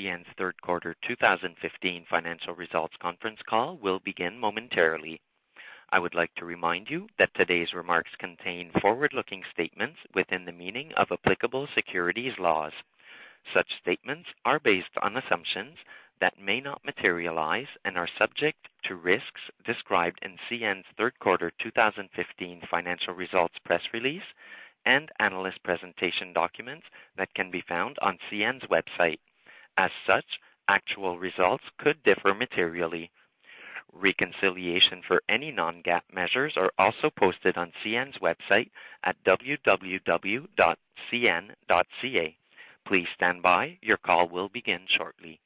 CN's Third Quarter 2015 Financial Results Conference Call will begin momentarily. I would like to remind you that today's remarks contain forward-looking statements within the meaning of applicable securities laws. Such statements are based on assumptions that may not materialize and are subject to risks described in CN's Third Quarter 2015 Financial Results Press Release, and analyst presentation documents that can be found on CN's website. As such, actual results could differ materially. Reconciliation for any non-GAAP measures are also posted on CN's website at www.cn.ca. Please stand by. Your call will begin shortly.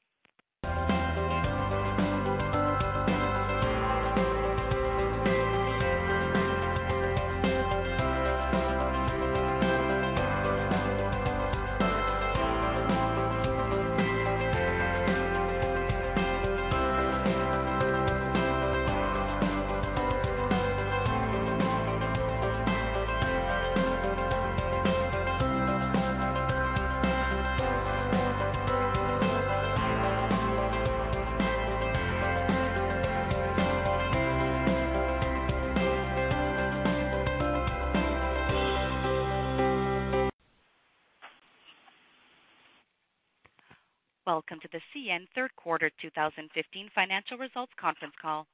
Welcome to the CN Third Quarter 2015 Financial Results Conference Call.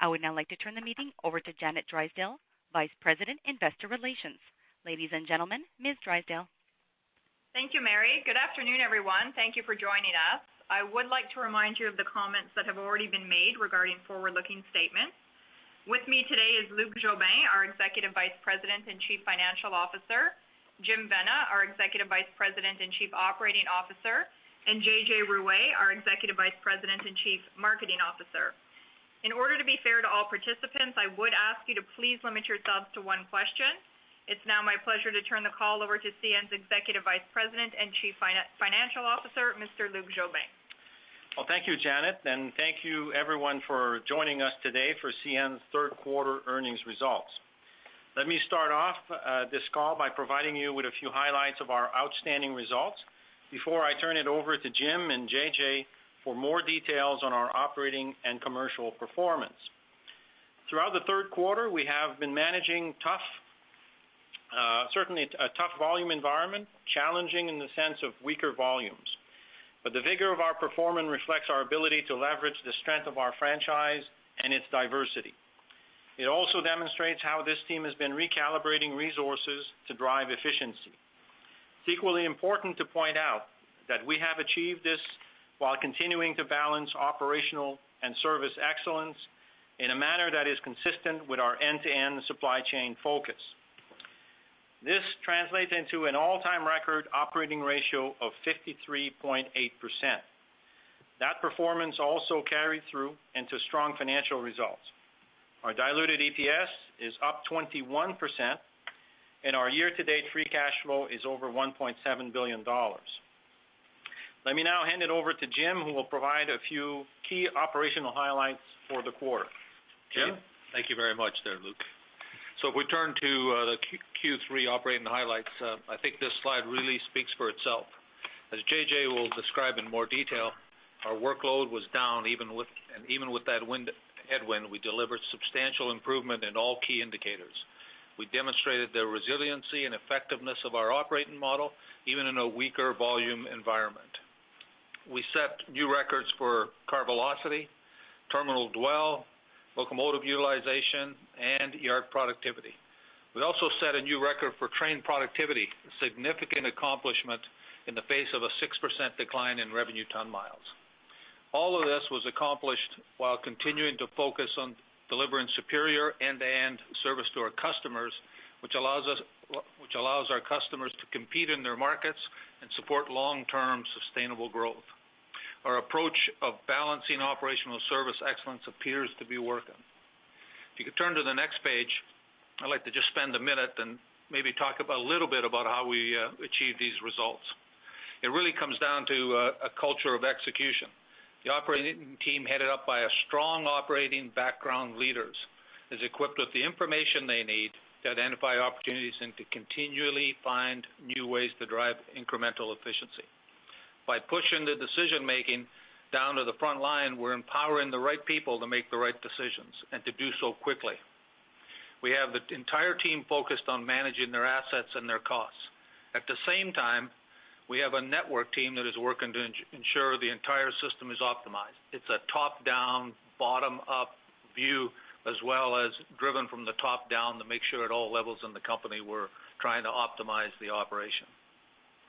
I would now like to turn the meeting over to Janet Drysdale, Vice President, Investor Relations. Ladies and gentlemen, Ms. Drysdale. Thank you, Mary. Good afternoon, everyone. Thank you for joining us. I would like to remind you of the comments that have already been made regarding forward-looking statements. With me today is Luc Jobin, our Executive Vice President and Chief Financial Officer, Jim Vena, our Executive Vice President and Chief Operating Officer, and JJ Ruest, our Executive Vice President and Chief Marketing Officer. In order to be fair to all participants, I would ask you to please limit yourselves to one question. It's now my pleasure to turn the call over to CN's Executive Vice President and Chief Financial Officer, Mr. Luc Jobin. Well, thank you, Janet, and thank you everyone for joining us today for CN's Third Quarter Earnings Results. Let me start off this call by providing you with a few highlights of our outstanding results before I turn it over to Jim and JJ for more details on our operating and commercial performance. Throughout the third quarter, we have been managing tough certainly a tough volume environment, challenging in the sense of weaker volumes. But the vigor of our performance reflects our ability to leverage the strength of our franchise and its diversity. It also demonstrates how this team has been recalibrating resources to drive efficiency. It's equally important to point out that we have achieved this while continuing to balance operational and service excellence in a manner that is consistent with our end-to-end supply chain focus. This translates into an all-time record operating ratio of 53.8%. That performance also carried through into strong financial results. Our diluted EPS is up 21%, and our year-to-date free cash flow is over $1.7 billion. Let me now hand it over to Jim, who will provide a few key operational highlights for the quarter. Jim? Thank you very much there, Luc. So if we turn to the Q3 operating highlights, I think this slide really speaks for itself. As JJ will describe in more detail, our workload was down, even with—and even with that headwind, we delivered substantial improvement in all key indicators. We demonstrated the resiliency and effectiveness of our operating model, even in a weaker volume environment. We set new records for car velocity, terminal dwell, locomotive utilization, and yard productivity. We also set a new record for train productivity, a significant accomplishment in the face of a 6% decline in revenue ton miles. All of this was accomplished while continuing to focus on delivering superior end-to-end service to our customers, which allows us, which allows our customers to compete in their markets and support long-term sustainable growth. Our approach of balancing operational service excellence appears to be working. If you could turn to the next page, I'd like to just spend a minute and maybe talk about a little bit about how we achieved these results. It really comes down to a culture of execution. The operating team, headed up by a strong operating background leaders, is equipped with the information they need to identify opportunities and to continually find new ways to drive incremental efficiency. By pushing the decision-making down to the front line, we're empowering the right people to make the right decisions, and to do so quickly. We have the entire team focused on managing their assets and their costs. At the same time, we have a network team that is working to ensure the entire system is optimized. It's a top-down, bottom-up view, as well as driven from the top down, to make sure at all levels in the company, we're trying to optimize the operation.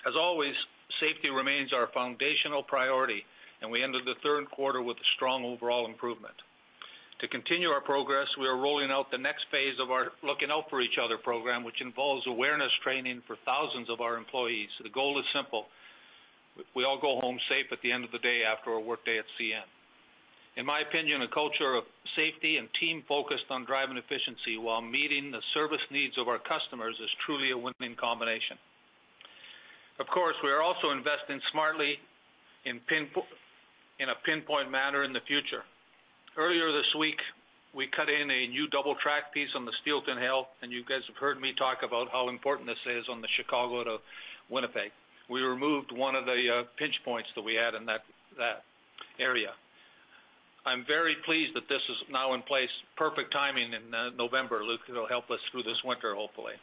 As always, safety remains our foundational priority, and we ended the third quarter with a strong overall improvement. To continue our progress, we are rolling out the next phase of our Looking Out for Each Other program, which involves awareness training for thousands of our employees. The goal is simple: we all go home safe at the end of the day after a workday at CN. In my opinion, a culture of safety and team focused on driving efficiency while meeting the service needs of our customers is truly a winning combination. Of course, we are also investing smartly in a pinpoint manner in the future. Earlier this week, we cut in a new double track piece on the Steelton Hill, and you guys have heard me talk about how important this is on the Chicago to Winnipeg. We removed one of the pinch points that we had in that area. I'm very pleased that this is now in place. Perfect timing in November. Luc, it'll help us through this winter, hopefully.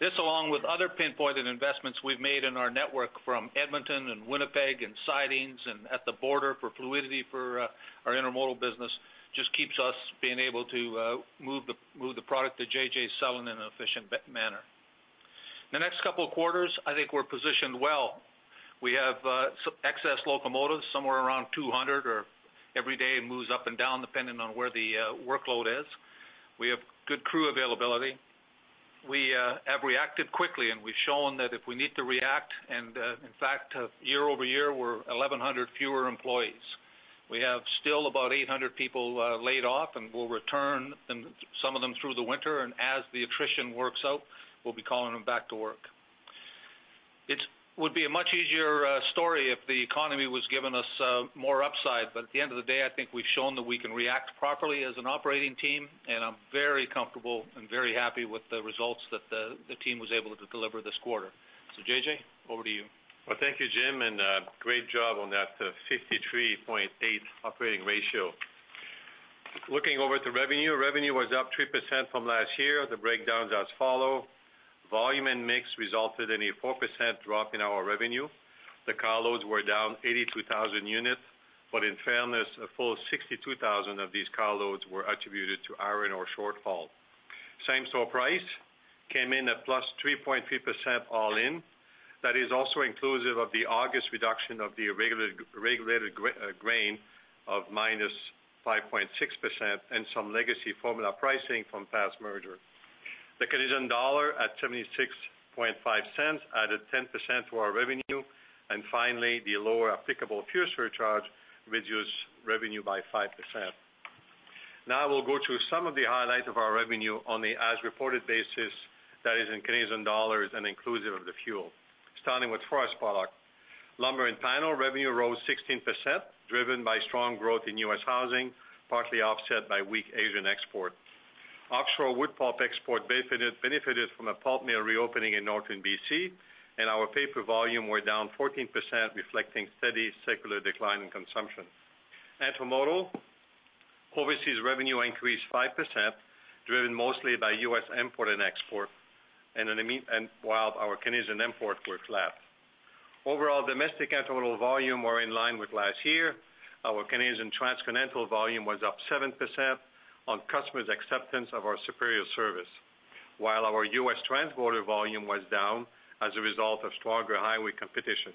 This, along with other pinpointed investments we've made in our network from Edmonton and Winnipeg, and Sidings, and at the border for fluidity for our intermodal business, just keeps us being able to move the product that JJ is selling in an efficient manner. The next couple of quarters, I think we're positioned well. We have excess locomotives, somewhere around 200, or every day it moves up and down, depending on where the workload is. We have good crew availability. We have reacted quickly, and we've shown that if we need to react, and in fact, year-over-year, we're 1,100 fewer employees. We have still about 800 people laid off, and we'll return them, some of them, through the winter, and as the attrition works out, we'll be calling them back to work. It would be a much easier story if the economy was giving us more upside, but at the end of the day, I think we've shown that we can react properly as an operating team, and I'm very comfortable and very happy with the results that the team was able to deliver this quarter. So JJ, over to you. Well, thank you, Jim, and great job on that 53.8 operating ratio. Looking over at the revenue, revenue was up 3% from last year. The breakdowns as follow: volume and mix resulted in a 4% drop in our revenue. The carloads were down 82,000 units, but in fairness, a full 62,000 of these carloads were attributed to iron ore shortfall. Same-store price came in at +3.3% all in. That is also inclusive of the August reduction of the regulated grain of -5.6%, and some legacy formula pricing from past merger. The Canadian dollar, at 76.5 cents, added 10% to our revenue. And finally, the lower applicable fuel surcharge reduced revenue by 5%. Now, I will go through some of the highlights of our revenue on the as-reported basis, that is in Canadian dollars and inclusive of the fuel. Starting with forest product. Lumber and panel revenue rose 16%, driven by strong growth in U.S. housing, partly offset by weak Asian export. Australian wood pulp export benefited, benefited from a pulp mill reopening in northern BC, and our paper volume were down 14%, reflecting steady secular decline in consumption. Intermodal. Overseas revenue increased 5%, driven mostly by U.S. import and export, and an immi- and while our Canadian imports were flat. Overall, domestic intermodal volume were in line with last year. Our Canadian transcontinental volume was up 7% on customers' acceptance of our superior service, while our U.S. transborder volume was down as a result of stronger highway competition.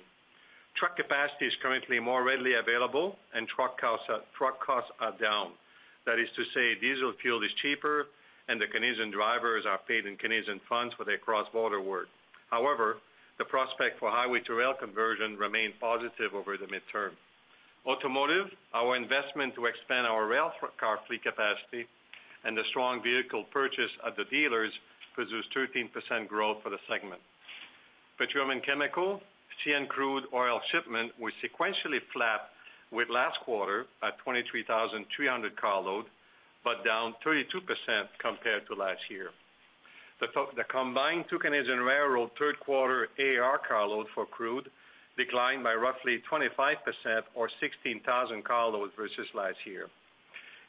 Truck capacity is currently more readily available, and truck costs, truck costs are down. That is to say, diesel fuel is cheaper, and the Canadian drivers are paid in Canadian funds for their cross-border work. However, the prospect for highway to rail conversion remain positive over the midterm. Automotive, our investment to expand our rail car fleet capacity and the strong vehicle purchase at the dealers produced 13% growth for the segment. Petroleum and Chemical. CN crude oil shipment was sequentially flat with last quarter at 23,300 carload, but down 32% compared to last year. The combined two Canadian railroad third quarter AAR carload for crude declined by roughly 25% or 16,000 carloads vs last year.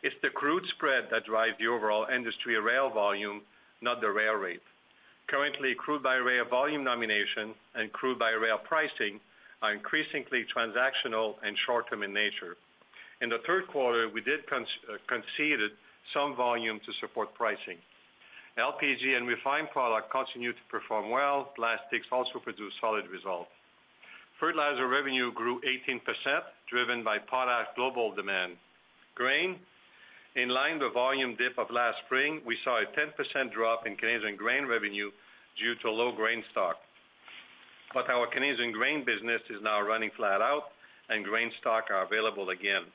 It's the crude spread that drives the overall industry rail volume, not the rail rate. Currently, crude by rail volume nomination and crude by rail pricing are increasingly transactional and short-term in nature. In the third quarter, we did conceded some volume to support pricing. LPG and refined product continued to perform well. Plastics also produced solid results. Fertilizer revenue grew 18%, driven by product global demand. Grain, in line with the volume dip of last spring, we saw a 10% drop in Canadian grain revenue due to low grain stock. But our Canadian grain business is now running flat out, and grain stock are available again.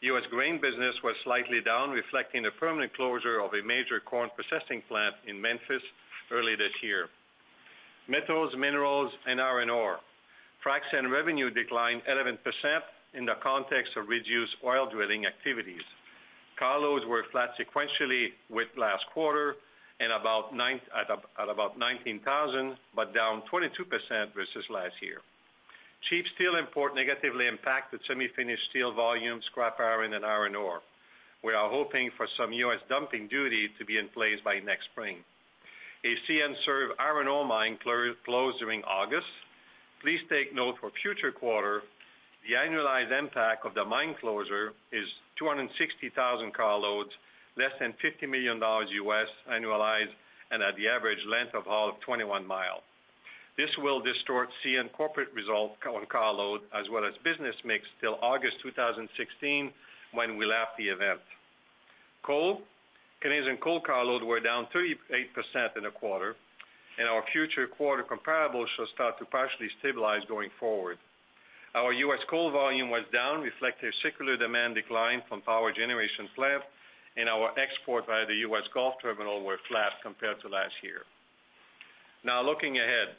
U.S. grain business was slightly down, reflecting the permanent closure of a major corn processing plant in Memphis early this year. Metals, minerals, and iron ore. Frac sand revenue declined 11% in the context of reduced oil drilling activities. Carloads were flat sequentially with last quarter, and about 19,000, but down 22% vs last year. Cheap steel import negatively impacted semi-finished steel volume, scrap iron, and iron ore. We are hoping for some U.S. dumping duty to be in place by next spring. A CN-served iron ore mine closed during August. Please take note for future quarter, the annualized impact of the mine closure is 260,000 carloads, less than $50 million U.S. annualized, and at the average length of haul of 21 miles. This will distort CN corporate result on carloads, as well as business mix till August 2016, when we lap the event. Coal. Canadian coal carloads were down 38% in the quarter, and our future quarter comparable should start to partially stabilize going forward. Our U.S. coal volume was down, reflecting a secular demand decline from power generation slack, and our exports via the U.S. Gulf terminals were flat compared to last year. Now looking ahead.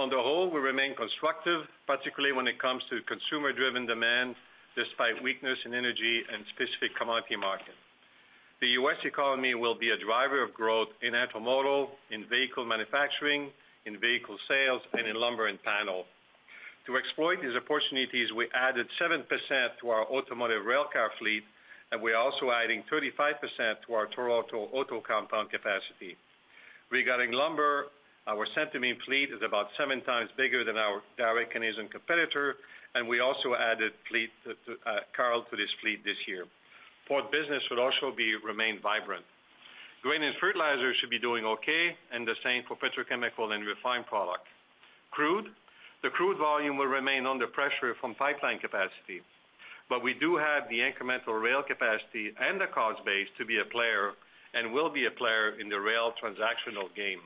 On the whole, we remain constructive, particularly when it comes to consumer-driven demand, despite weakness in energy and specific commodity markets. The U.S. economy will be a driver of growth in automotive, in vehicle manufacturing, in vehicle sales, and in lumber and panel. To exploit these opportunities, we added 7% to our automotive rail car fleet, and we're also adding 35% to our Toronto auto compound capacity. Regarding lumber, our centerbeam fleet is about 7x bigger than our direct Canadian competitor, and we also added cars to this fleet this year. Port business should also remain vibrant. Grain and fertilizer should be doing okay, and the same for petrochemical and refined product. Crude, the crude volume will remain under pressure from pipeline capacity, but we do have the incremental rail capacity and the cost base to be a player, and will be a player in the rail transactional game.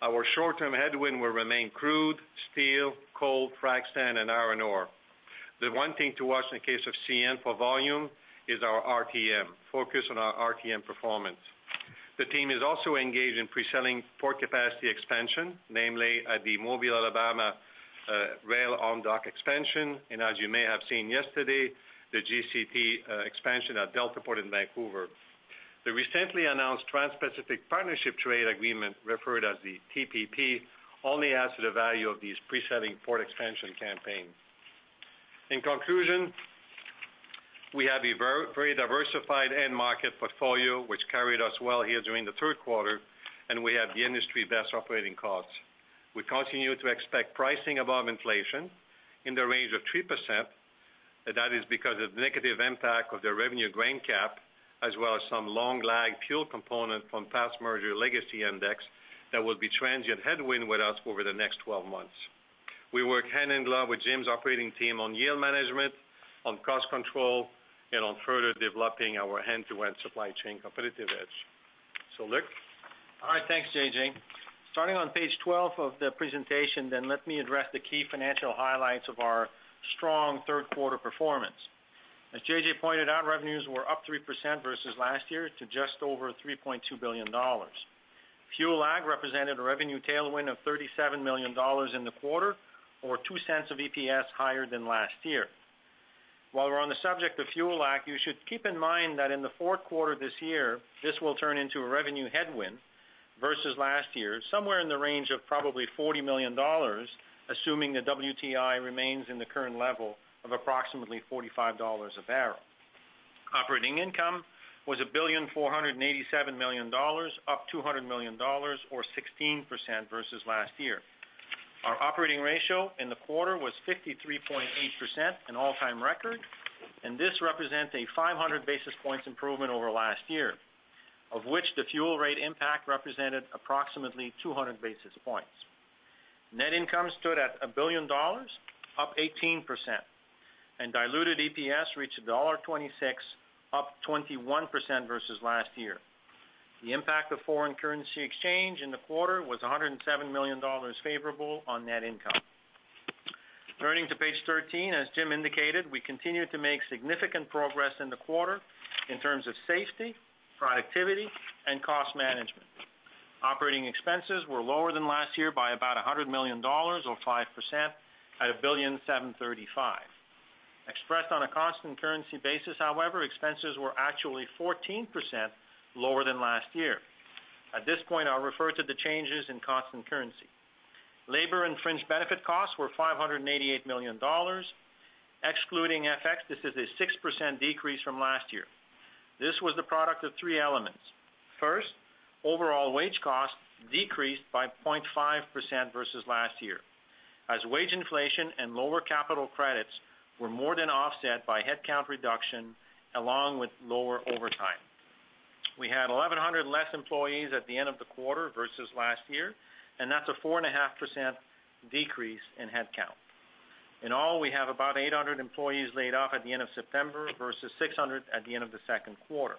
Our short-term headwind will remain crude, steel, coal, frac sand, and iron ore. The one thing to watch in case of CN for volume is our RTM, focus on our RTM performance. The team is also engaged in pre-selling port capacity expansion, namely at the Mobile, Alabama rail-on-dock expansion, and as you may have seen yesterday, the GCT expansion at Deltaport in Vancouver. The recently announced Trans-Pacific Partnership Trade Agreement, referred to as the TPP, only adds to the value of these pre-selling port expansion campaigns. In conclusion, we have a very diversified end market portfolio, which carried us well here during the third quarter, and we have the industry best operating costs. We continue to expect pricing above inflation in the range of 3%, and that is because of the negative impact of the revenue grain cap, as well as some long lag fuel component from past merger legacy index that will be transient headwind with us over the next 12 months. We work hand in glove with Jim's operating team on yield management, on cost control, and on further developing our end-to-end supply chain competitive edge. So, Luc? All right, thanks, JJ. Starting on page 12 of the presentation, then let me address the key financial highlights of our strong third quarter performance. As JJ pointed out, revenues were up 3% vs last year to just over $3.2 billion. Fuel lag represented a revenue tailwind of $37 million in the quarter, or $0.02 of EPS higher than last year. While we're on the subject of fuel lag, you should keep in mind that in the fourth quarter this year, this will turn into a revenue headwind vs last year, somewhere in the range of probably $40 million, assuming the WTI remains in the current level of approximately $45 a barrel. Operating income was $1.487 billion, up $200 million or 16% vs last year. Our operating ratio in the quarter was 53.8%, an all-time record, and this represents a 500 basis points improvement over last year, of which the fuel rate impact represented approximately 200 basis points. Net income stood at $1 billion, up 18%, and diluted EPS reached $1.26, up 21% vs last year. The impact of foreign currency exchange in the quarter was $107 million favorable on net income. Turning to page 13, as Jim indicated, we continued to make significant progress in the quarter in terms of safety, productivity, and cost management. Operating expenses were lower than last year by about $100 million or 5% at $1.735 billion. Expressed on a constant currency basis, however, expenses were actually 14% lower than last year. At this point, I'll refer to the changes in constant currency. Labor and fringe benefit costs were $588 million. Excluding FX, this is a 6% decrease from last year. This was the product of three elements. First, overall wage costs decreased by 0.5% vs last year, as wage inflation and lower capital credits were more than offset by headcount reduction, along with lower overtime. We had 1,100 less employees at the end of the quarter vs last year, and that's a 4.5% decrease in headcount. In all, we have about 800 employees laid off at the end of September vs 600 at the end of the second quarter.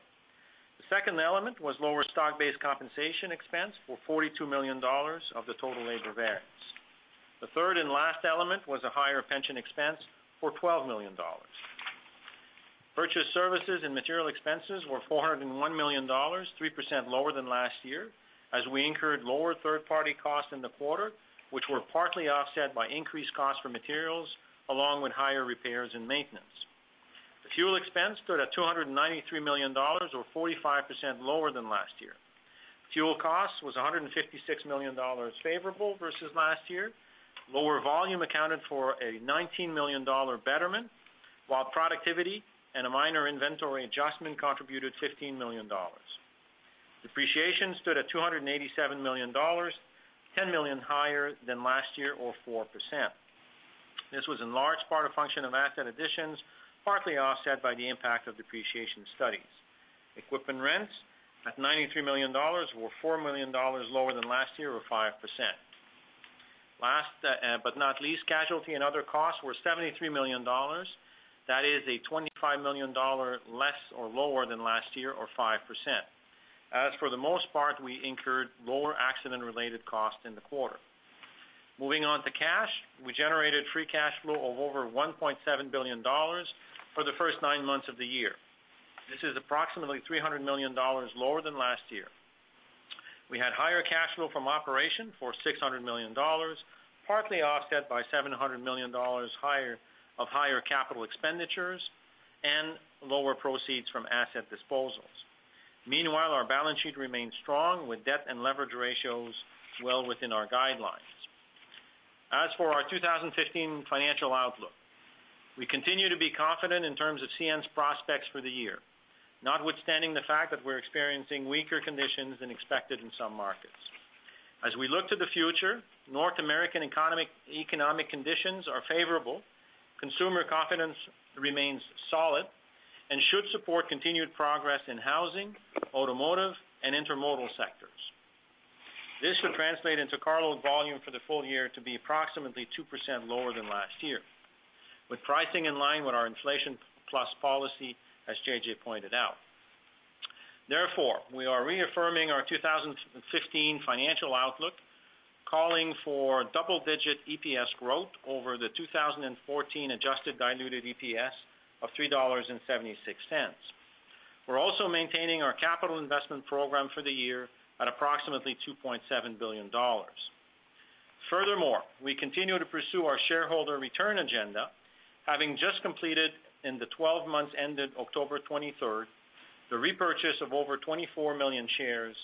The second element was lower stock-based compensation expense for $42 million of the total labor variance. The third and last element was a higher pension expense for $12 million. Purchase services and material expenses were $401 million, 3% lower than last year, as we incurred lower third-party costs in the quarter, which were partly offset by increased costs for materials, along with higher repairs and maintenance. The fuel expense stood at $293 million, or 45% lower than last year. Fuel cost was $156 million favorable vs last year. Lower volume accounted for a $19 million betterment, while productivity and a minor inventory adjustment contributed $15 million. Depreciation stood at $287 million, $10 million higher than last year or 4%. This was in large part a function of asset additions, partly offset by the impact of depreciation studies. Equipment rents at $93 million were $4 million lower than last year or 5%. Last but not least, casualty and other costs were $73 million. That is a $25 million dollar less or lower than last year or 5%. As for the most part, we incurred lower accident-related costs in the quarter. Moving on to cash. We generated free cash flow of over $1.7 billion for the first nine months of the year. This is approximately $300 million lower than last year. We had higher cash flow from operation for $600 million, partly offset by $700 million higher, of higher capital expenditures and lower proceeds from asset disposals. Meanwhile, our balance sheet remains strong, with debt and leverage ratios well within our guidelines. As for our 2015 financial outlook, we continue to be confident in terms of CN's prospects for the year, notwithstanding the fact that we're experiencing weaker conditions than expected in some markets. As we look to the future, North American economic conditions are favorable, consumer confidence remains solid and should support continued progress in housing, automotive, and intermodal sectors. This should translate into carload volume for the full year to be approximately 2% lower than last year, with pricing in line with our inflation plus policy, as JJ pointed out. Therefore, we are reaffirming our 2015 financial outlook, calling for double-digit EPS growth over the 2014 adjusted diluted EPS of $3.76. We're also maintaining our capital investment program for the year at approximately $2.7 billion. Furthermore, we continue to pursue our shareholder return agenda, having just completed, in the 12 months ended October 23rd, the repurchase of over 24 million shares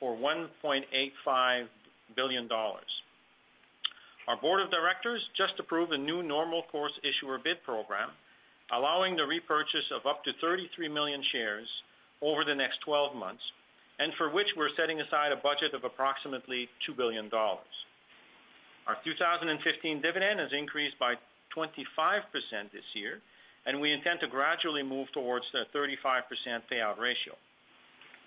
for $1.85 billion. Our board of directors just approved a new normal course issuer bid program, allowing the repurchase of up to 33 million shares over the next 12 months, and for which we're setting aside a budget of approximately $2 billion. Our 2015 dividend has increased by 25% this year, and we intend to gradually move towards the 35% payout ratio.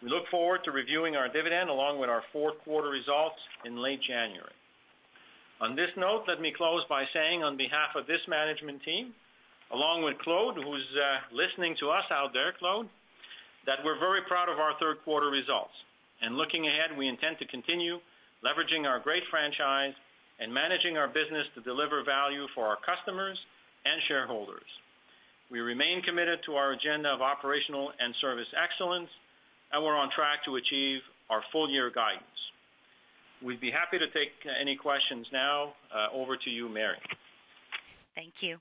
We look forward to reviewing our dividend along with our fourth quarter results in late January. On this note, let me close by saying, on behalf of this management team, along with Claude, who's listening to us out there, Claude, that we're very proud of our third quarter results. Looking ahead, we intend to continue leveraging our great franchise and managing our business to deliver value for our customers and shareholders. We remain committed to our agenda of operational and service excellence, and we're on track to achieve our full year guidance. We'd be happy to take any questions now. Over to you, Mary. Thank you.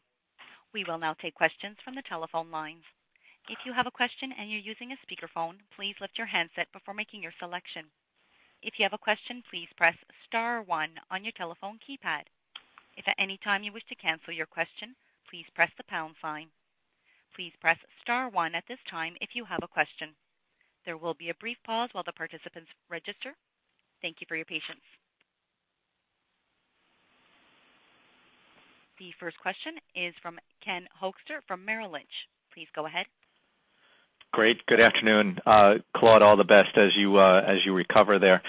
We will now take questions from the telephone lines. If you have a question and you're using a speakerphone, please lift your handset before making your selection. If you have a question, please press star one on your telephone keypad. If at any time you wish to cancel your question, please press the pound sign. Please press star one at this time if you have a question. There will be a brief pause while the participants register. Thank you for your patience. The first question is from Ken Hoexter from Merrill Lynch. Please go ahead. Great. Good afternoon, Claude, all the best as you, as you recover there.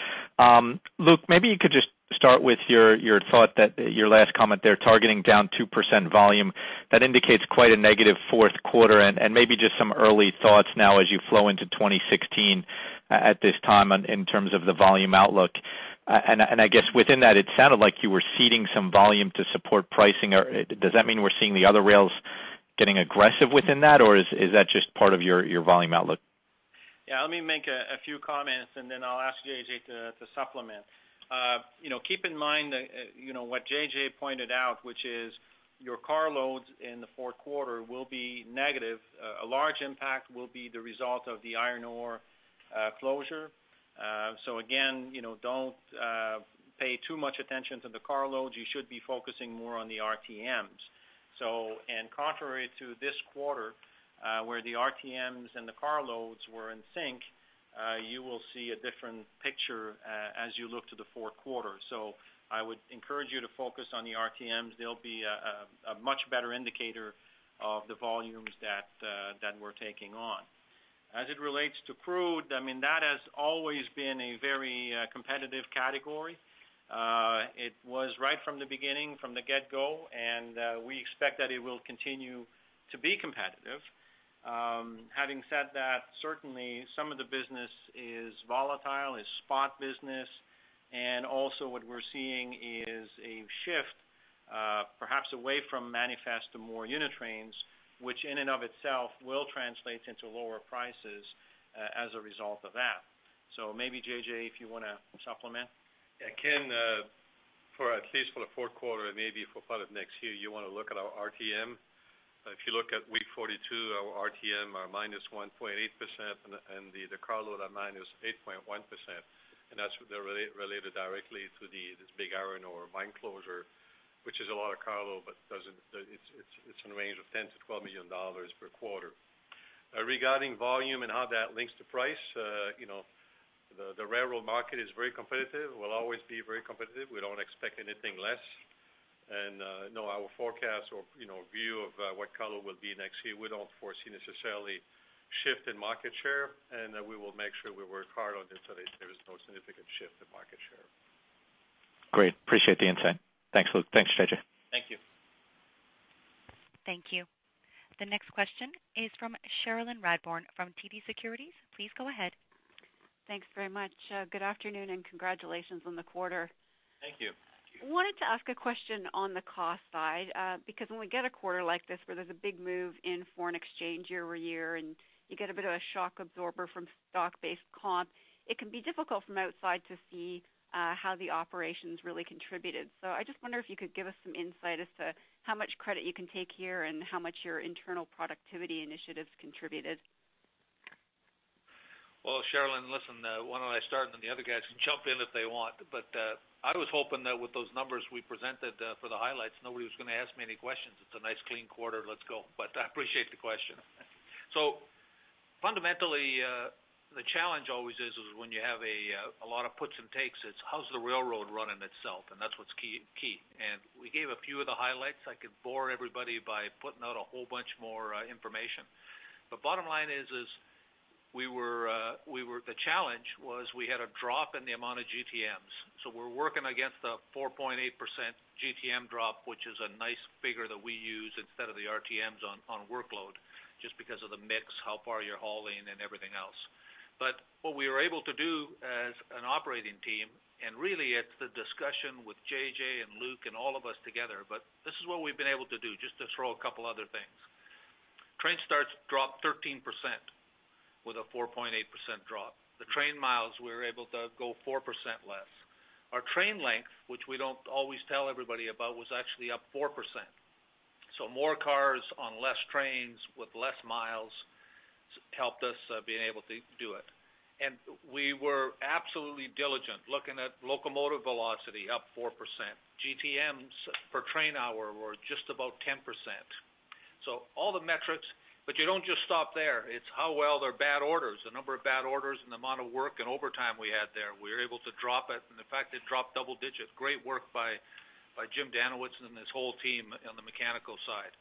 Luc, maybe you could just start with your, your thought that, your last comment there, targeting down 2% volume. That indicates quite a negative fourth quarter, and, and maybe just some early thoughts now as you flow into 2016, at this time, in, in terms of the volume outlook. And I, and I guess within that, it sounded like you were ceding some volume to support pricing. Or, does that mean we're seeing the other rails getting aggressive within that, or is, is that just part of your, your volume outlook? Yeah, let me make a few comments, and then I'll ask JJ to supplement. You know, keep in mind that, you know, what JJ pointed out, which is your carloads in the fourth quarter will be negative. A large impact will be the result of the iron ore closure. So again, you know, don't pay too much attention to the carloads. You should be focusing more on the RTMs. So, and contrary to this quarter, where the RTMs and the carloads were in sync, you will see a different picture, as you look to the fourth quarter. So I would encourage you to focus on the RTMs. They'll be a much better indicator of the volumes that we're taking on. As it relates to crude, I mean, that has always been a very, competitive category. It was right from the beginning, from the get-go, and, we expect that it will continue to be competitive. Having said that, certainly some of the business is volatile, is spot business, and also what we're seeing is a shift, perhaps away from manifest to more unit trains, which in and of itself will translate into lower prices, as a result of that. So maybe, JJ, if you wanna supplement? Yeah, Ken, for at least for the fourth quarter and maybe for part of next year, you wanna look at our RTM. If you look at week 42, our RTM are -1.8%, and the carload are -8.1%, and that's related directly to this big iron ore mine closure, which is a lot of carload, but it doesn't—it's in the range of $10 million-$12 million per quarter. Regarding volume and how that links to price, you know, the railroad market is very competitive, will always be very competitive. We don't expect anything less. No, our forecast or, you know, view of what carload will be next year, we don't foresee necessarily shift in market share, and we will make sure we work hard on it, so there's no significant shift in market share. Great. Appreciate the insight. Thanks, Luc. Thanks, JJ.... Thank you. The next question is from Cherilyn Radbourne from TD Securities. Please go ahead. Thanks very much. Good afternoon, and congratulations on the quarter. Thank you. I wanted to ask a question on the cost side, because when we get a quarter like this, where there's a big move in foreign exchange year-over-year, and you get a bit of a shock absorber from stock-based comp, it can be difficult from outside to see how the operations really contributed. So I just wonder if you could give us some insight as to how much credit you can take here, and how much your internal productivity initiatives contributed? Well, Cherilyn, listen, why don't I start, and then the other guys can jump in if they want. But, I was hoping that with those numbers we presented, for the highlights, nobody was gonna ask me any questions. It's a nice, clean quarter, let's go. But I appreciate the question. So fundamentally, the challenge always is, is when you have a, a lot of puts and takes, it's how's the railroad running itself? And that's what's key, key. And we gave a few of the highlights. I could bore everybody by putting out a whole bunch more, information. But bottom line is, is we were, we were-- the challenge was we had a drop in the amount of GTMs. So we're working against a 4.8% GTM drop, which is a nice figure that we use instead of the RTMs on, on workload, just because of the mix, how far you're hauling, and everything else. But what we were able to do as an operating team, and really, it's the discussion with JJ and Luc and all of us together, but this is what we've been able to do, just to throw a couple other things. Train starts dropped 13%, with a 4.8% drop. The train miles, we were able to go 4% less. Our train length, which we don't always tell everybody about, was actually up 4%. So more cars on less trains with less miles, helped us being able to do it. And we were absolutely diligent, looking at locomotive velocity up 4%. GTMs per train hour were just about 10%. So all the metrics, but you don't just stop there, it's how well their bad orders, the number of bad orders and the amount of work and overtime we had there, we were able to drop it, and the fact it dropped double digits, great work by Jim Danowitz and his whole team on the mechanical side.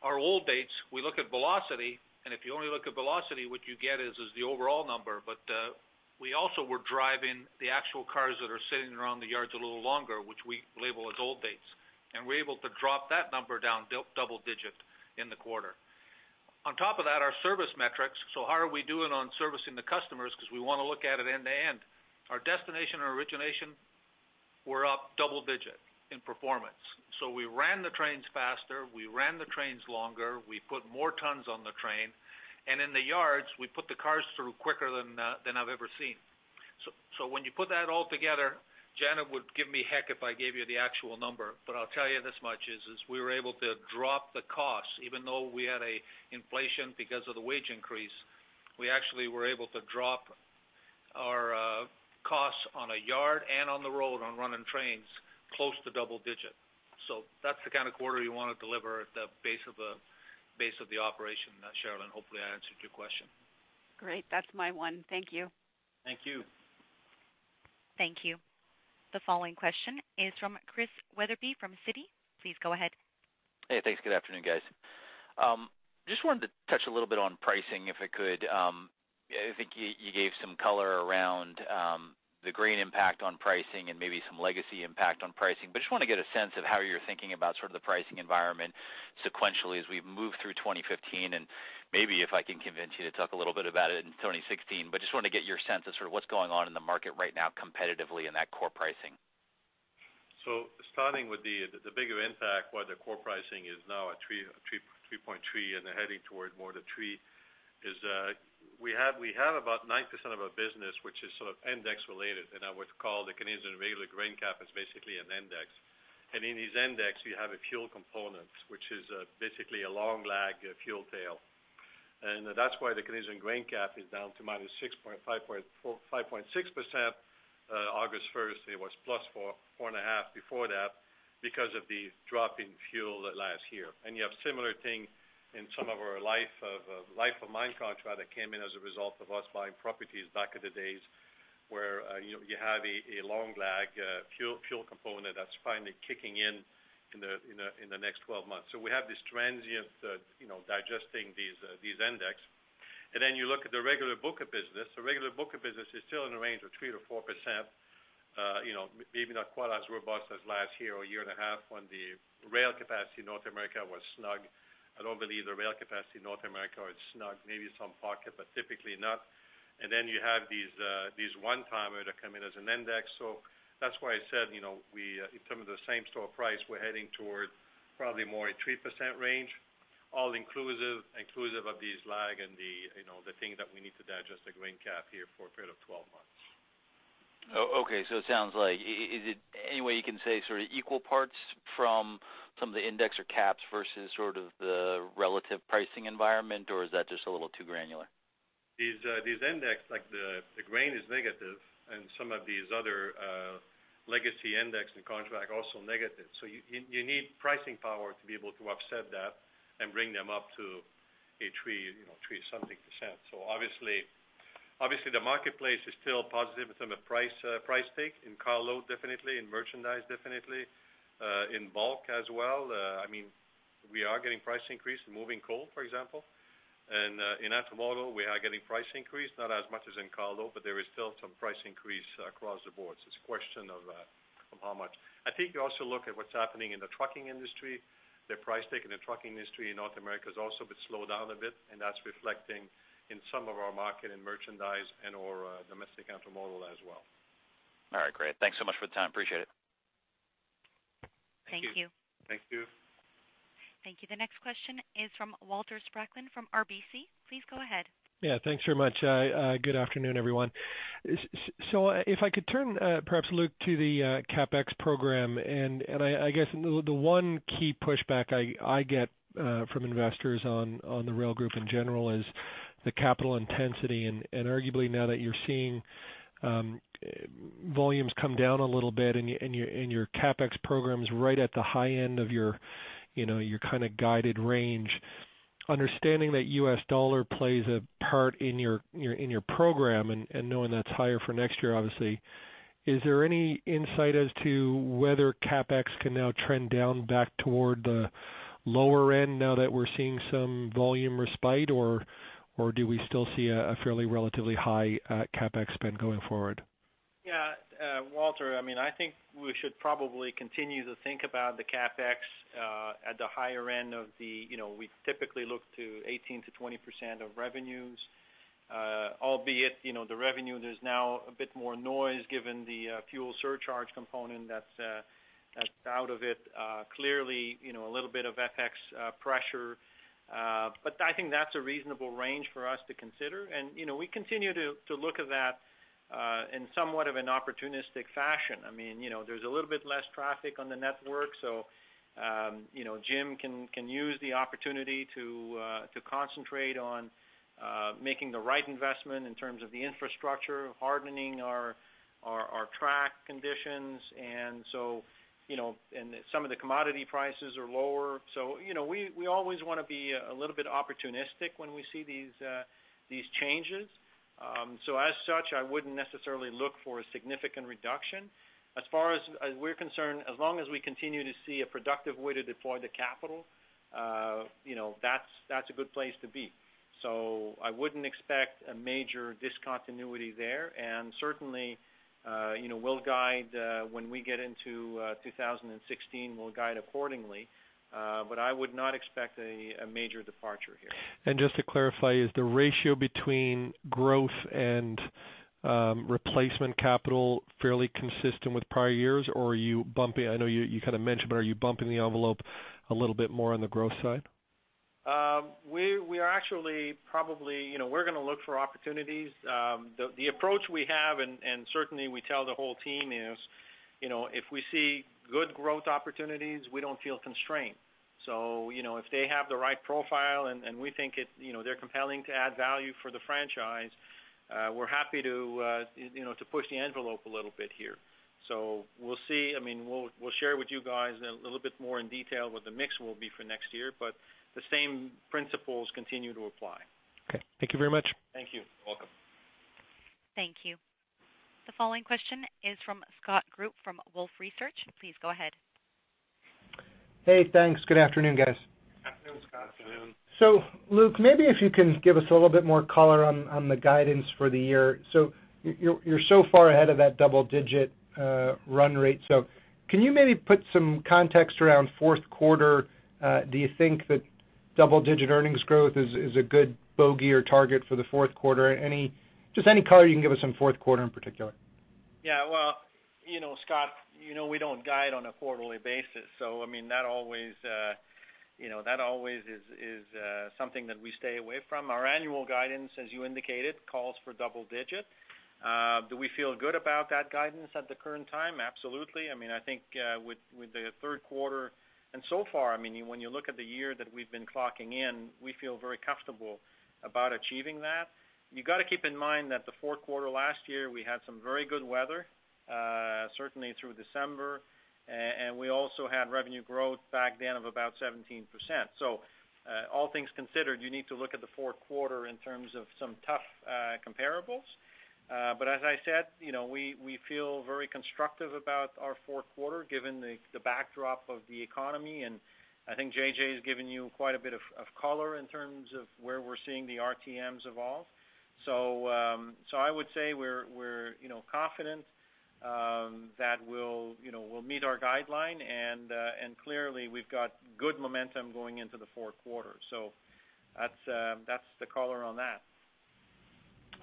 Our old dates, we look at velocity, and if you only look at velocity, what you get is the overall number. But, we also were driving the actual cars that are sitting around the yards a little longer, which we label as old dates, and we're able to drop that number down double digit in the quarter. On top of that, our service metrics, so how are we doing on servicing the customers? Because we wanna look at it end-to-end. Our destination and origination were up double-digit in performance. So we ran the trains faster, we ran the trains longer, we put more tons on the train, and in the yards, we put the cars through quicker than I've ever seen. So, so when you put that all together, Janet would give me heck if I gave you the actual number, but I'll tell you this much is, is we were able to drop the cost, even though we had a inflation because of the wage increase, we actually were able to drop our costs on a yard and on the road on running trains, close to double-digit. So that's the kind of quarter you wanna deliver at the base of the operation, Cherilyn, hopefully I answered your question. Great. That's my one. Thank you. Thank you. Thank you. The following question is from Chris Wetherbee, from Citi. Please go ahead. Hey, thanks. Good afternoon, guys. Just wanted to touch a little bit on pricing, if I could. I think you gave some color around the grain impact on pricing and maybe some legacy impact on pricing. But just wanna get a sense of how you're thinking about sort of the pricing environment sequentially as we move through 2015, and maybe if I can convince you to talk a little bit about it in 2016. But just wanna get your sense of sort of what's going on in the market right now competitively in that core pricing. Starting with the bigger impact, where the core pricing is now at 3.3%, and heading toward 3%, we have about 9% of our business, which is sort of index related, and I would call the Canadian Grain Cap basically an index. In this index, you have a fuel component, which is basically a long lag fuel tail. That's why the Canadian Grain Cap is down to -5.4%-5.6%. August first, it was +4-4.5% before that, because of the drop in fuel last year. You have a similar thing in some of our life-of-mine contracts that came in as a result of us buying properties back in the days, where you have a long lag fuel component that's finally kicking in in the next 12 months. So we have this transient, you know, digesting these indexes. Then you look at the regular book of business. The regular book of business is still in the range of 3%-4%, you know, maybe not quite as robust as last year or a year and a half, when the rail capacity in North America was snug. I don't believe the rail capacity in North America is snug, maybe some pockets, but typically not. And then you have these, these one-timers that come in as an index. So that's why I said, you know, we, in some of the same store price, we're heading toward probably more a 3% range, all inclusive, inclusive of this lag and the, you know, the thing that we need to digest, the grain cap here for a period of 12 months. Oh, okay. So it sounds like, is it any way you can say sort of equal parts from some of the index or caps vs sort of the relative pricing environment, or is that just a little too granular? These index, like the grain is negative, and some of these other legacy index and contract also negative. So you need pricing power to be able to offset that and bring them up to a 3, you know, 3-something %. So obviously the marketplace is still positive from a price price take, in carload, definitely, in merchandise, definitely in bulk as well. I mean, we are getting price increase in moving coal, for example.... And, in intermodal, we are getting price increase, not as much as in cargo, but there is still some price increase across the board. So it's a question of, of how much. I think you also look at what's happening in the trucking industry. The price take in the trucking industry in North America has also been slowed down a bit, and that's reflecting in some of our market, in merchandise and or, domestic intermodal as well. All right, great. Thanks so much for the time. Appreciate it. Thank you. Thank you. Thank you. The next question is from Walter Spracklin from RBC. Please go ahead. Yeah, thanks very much. Good afternoon, everyone. So if I could turn, perhaps, Luc, to the CapEx program, and I guess the one key pushback I get from investors on the rail group in general is the capital intensity. And arguably, now that you're seeing volumes come down a little bit and your CapEx programs right at the high end of your, you know, your kind of guided range. Understanding that U.S. dollar plays a part in your program and knowing that's higher for next year, obviously, is there any insight as to whether CapEx can now trend down back toward the lower end, now that we're seeing some volume respite, or do we still see a fairly relatively high CapEx spend going forward? Yeah, Walter, I mean, I think we should probably continue to think about the CapEx at the higher end of the, you know, we typically look to 18%-20% of revenues. Albeit, you know, the revenue, there's now a bit more noise given the fuel surcharge component that's that's out of it. Clearly, you know, a little bit of FX pressure, but I think that's a reasonable range for us to consider. And, you know, we continue to to look at that in somewhat of an opportunistic fashion. I mean, you know, there's a little bit less traffic on the network, so, you know, Jim can can use the opportunity to to concentrate on making the right investment in terms of the infrastructure, hardening our our our track conditions. And so, you know, and some of the commodity prices are lower. So, you know, we, we always wanna be, a little bit opportunistic when we see these, these changes. So as such, I wouldn't necessarily look for a significant reduction. As far as, as we're concerned, as long as we continue to see a productive way to deploy the capital, you know, that's, that's a good place to be. So I wouldn't expect a major discontinuity there. And certainly, you know, we'll guide, when we get into 2016, we'll guide accordingly. But I would not expect a, a major departure here. Just to clarify, is the ratio between growth and replacement capital fairly consistent with prior years, or are you bumping, I know you kind of mentioned, but are you bumping the envelope a little bit more on the growth side? We are actually probably, you know, we're gonna look for opportunities. The approach we have, and certainly we tell the whole team is, you know, if we see good growth opportunities, we don't feel constrained. So, you know, if they have the right profile and we think it, you know, they're compelling to add value for the franchise, we're happy to, you know, to push the envelope a little bit here. So we'll see. I mean, we'll share with you guys a little bit more in detail what the mix will be for next year, but the same principles continue to apply. Okay, thank you very much. Thank you. Welcome. Thank you. The following question is from Scott Group, from Wolfe Research. Please go ahead. Hey, thanks. Good afternoon, guys. Afternoon, Scott. Afternoon. So Luc, maybe if you can give us a little bit more color on the guidance for the year. You're so far ahead of that double digit run rate. Can you maybe put some context around fourth quarter? Do you think that double digit earnings growth is a good bogey or target for the fourth quarter? Just any color you can give us on fourth quarter in particular. Yeah, well, you know, Scott, you know, we don't guide on a quarterly basis, so I mean, that always, you know, that always is something that we stay away from. Our annual guidance, as you indicated, calls for double digit. Do we feel good about that guidance at the current time? Absolutely. I mean, I think, with the third quarter and so far, I mean, when you look at the year that we've been clocking in, we feel very comfortable about achieving that. You gotta keep in mind that the fourth quarter last year, we had some very good weather, certainly through December. And we also had revenue growth back then of about 17%. So, all things considered, you need to look at the fourth quarter in terms of some tough comparables. But as I said, you know, we feel very constructive about our fourth quarter, given the backdrop of the economy. And I think JJ has given you quite a bit of color in terms of where we're seeing the RTMs evolve. So, I would say we're, you know, confident that we'll meet our guideline and clearly, we've got good momentum going into the fourth quarter. So that's the color on that.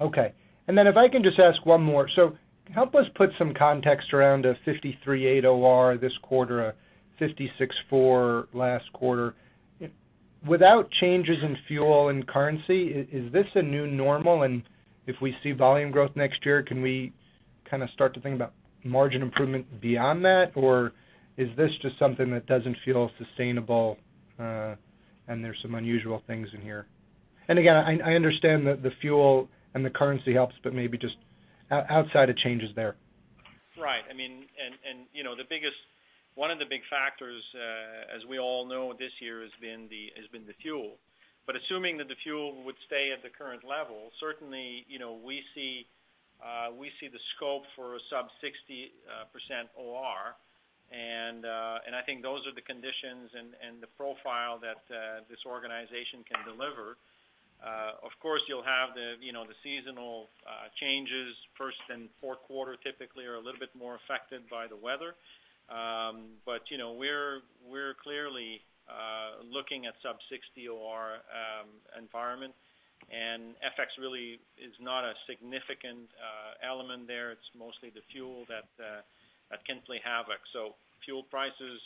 Okay. And then if I can just ask one more. So help us put some context around a 53.8 OR this quarter, a 56.4 last quarter. Without changes in fuel and currency, is this a new normal? And if we see volume growth next year, can we kind of start to think about margin improvement beyond that? Or is this just something that doesn't feel sustainable, and there's some unusual things in here? And again, I understand that the fuel and the currency helps, but maybe just outside of changes there. Right. I mean, you know, the biggest one of the big factors, as we all know, this year has been the fuel. But assuming that the fuel would stay at the current level, certainly, you know, we see the scope for a sub-60% OR. And I think those are the conditions and the profile that this organization can deliver. Of course, you'll have the, you know, the seasonal changes. First and fourth quarter typically are a little bit more affected by the weather. But, you know, we're clearly looking at sub-60% OR environment, and FX really is not a significant element there. It's mostly the fuel that can play havoc. So fuel prices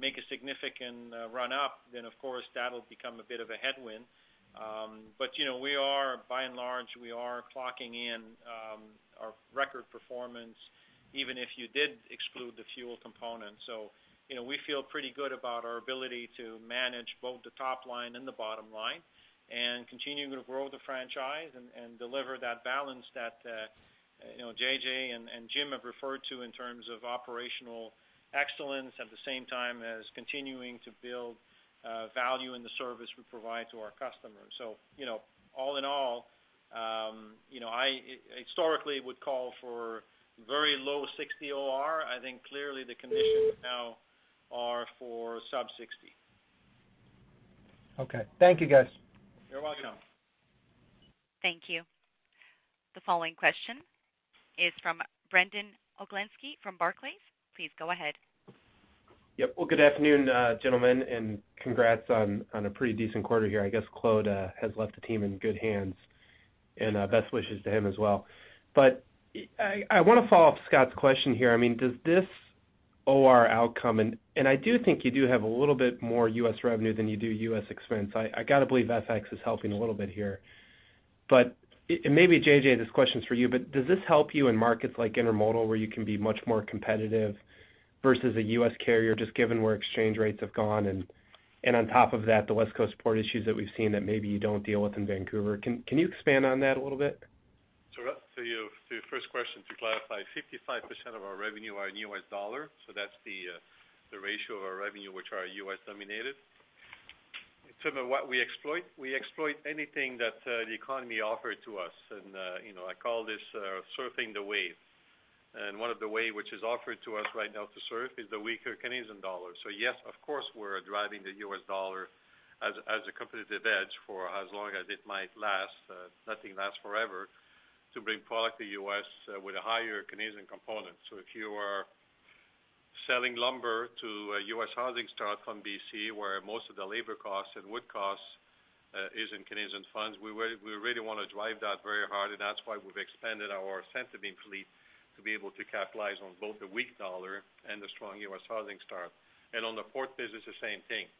make a significant run up, then, of course, that'll become a bit of a headwind. But, you know, we are, by and large, we are clocking in our record performance, even if you did exclude the fuel component. So, you know, we feel pretty good about our ability to manage both the top line and the bottom line, and continuing to grow the franchise and, and deliver that balance that, you know, JJ and, and Jim have referred to in terms of operational excellence, at the same time as continuing to build value in the service we provide to our customers. So, you know, all in all, you know, I, historically, would call for very low 60 OR. I think clearly the conditions now are for sub 60. Okay. Thank you, guys. You're welcome. Thank you. The following question is from Brandon Oglenski from Barclays. Please go ahead. Yep. Well, good afternoon, gentlemen, and congrats on a pretty decent quarter here. I guess Claude has left the team in good hands, and best wishes to him as well. But I wanna follow up Scott's question here. I mean, does this OR outcome, and I do think you do have a little bit more U.S. revenue than you do U.S. expense. I gotta believe FX is helping a little bit here. And maybe, JJ, this question is for you, but does this help you in markets like intermodal, where you can be much more competitive vs a U.S. carrier, just given where exchange rates have gone? And on top of that, the West Coast port issues that we've seen, that maybe you don't deal with in Vancouver. Can you expand on that a little bit? So, so your first question, to clarify, 55% of our revenue are in U.S. dollar, so that's the ratio of our revenue, which are U.S. denominated. In terms of what we exploit, we exploit anything that the economy offer to us, and you know, I call this surfing the wave. And one of the wave which is offered to us right now to surf is the weaker Canadian dollar. So yes, of course, we're driving the U.S. dollar as a competitive edge for as long as it might last, nothing lasts forever, to bring product to U.S. with a higher Canadian component. So if you are selling lumber to a U.S. housing start from BC, where most of the labor costs and wood costs is in Canadian funds, we really, we really wanna drive that very hard, and that's why we've expanded our centerbeam fleet, to be able to capitalize on both the weak dollar and the strong US housing start. And on the port business, the same thing.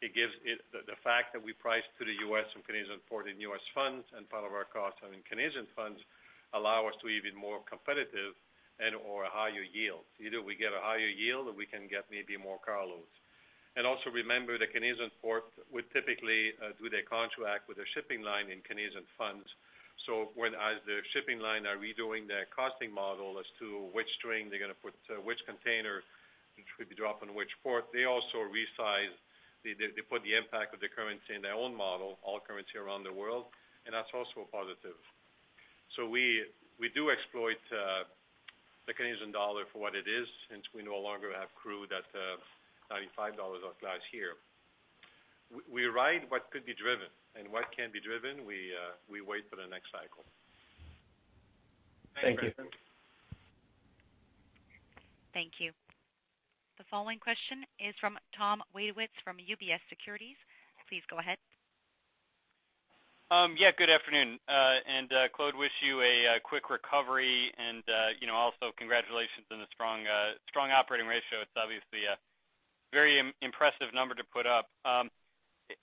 It gives it the fact that we price to the US from Canadian port in US funds, and part of our costs are in Canadian funds, allow us to be even more competitive and/or higher yields. Either we get a higher yield, or we can get maybe more car loads. And also, remember, the Canadian port would typically do their contract with their shipping line in Canadian funds. So when, as the shipping lines are redoing their costing model as to which train they're gonna put which container, which would be dropped on which port, they also reassess. They put the impact of the currency in their own model, all currency around the world, and that's also a positive. So we do exploit the Canadian dollar for what it is, since we no longer have crude at $95 a barrel here. We rail what can be railed, and what can't be railed, we wait for the next cycle. Thank you. Thank you. The following question is from Tom Wadowitz, from UBS Securities. Please go ahead. Yeah, good afternoon. And, Claude, wish you a quick recovery, and you know, also congratulations on the strong, strong operating ratio. It's obviously a very impressive number to put up.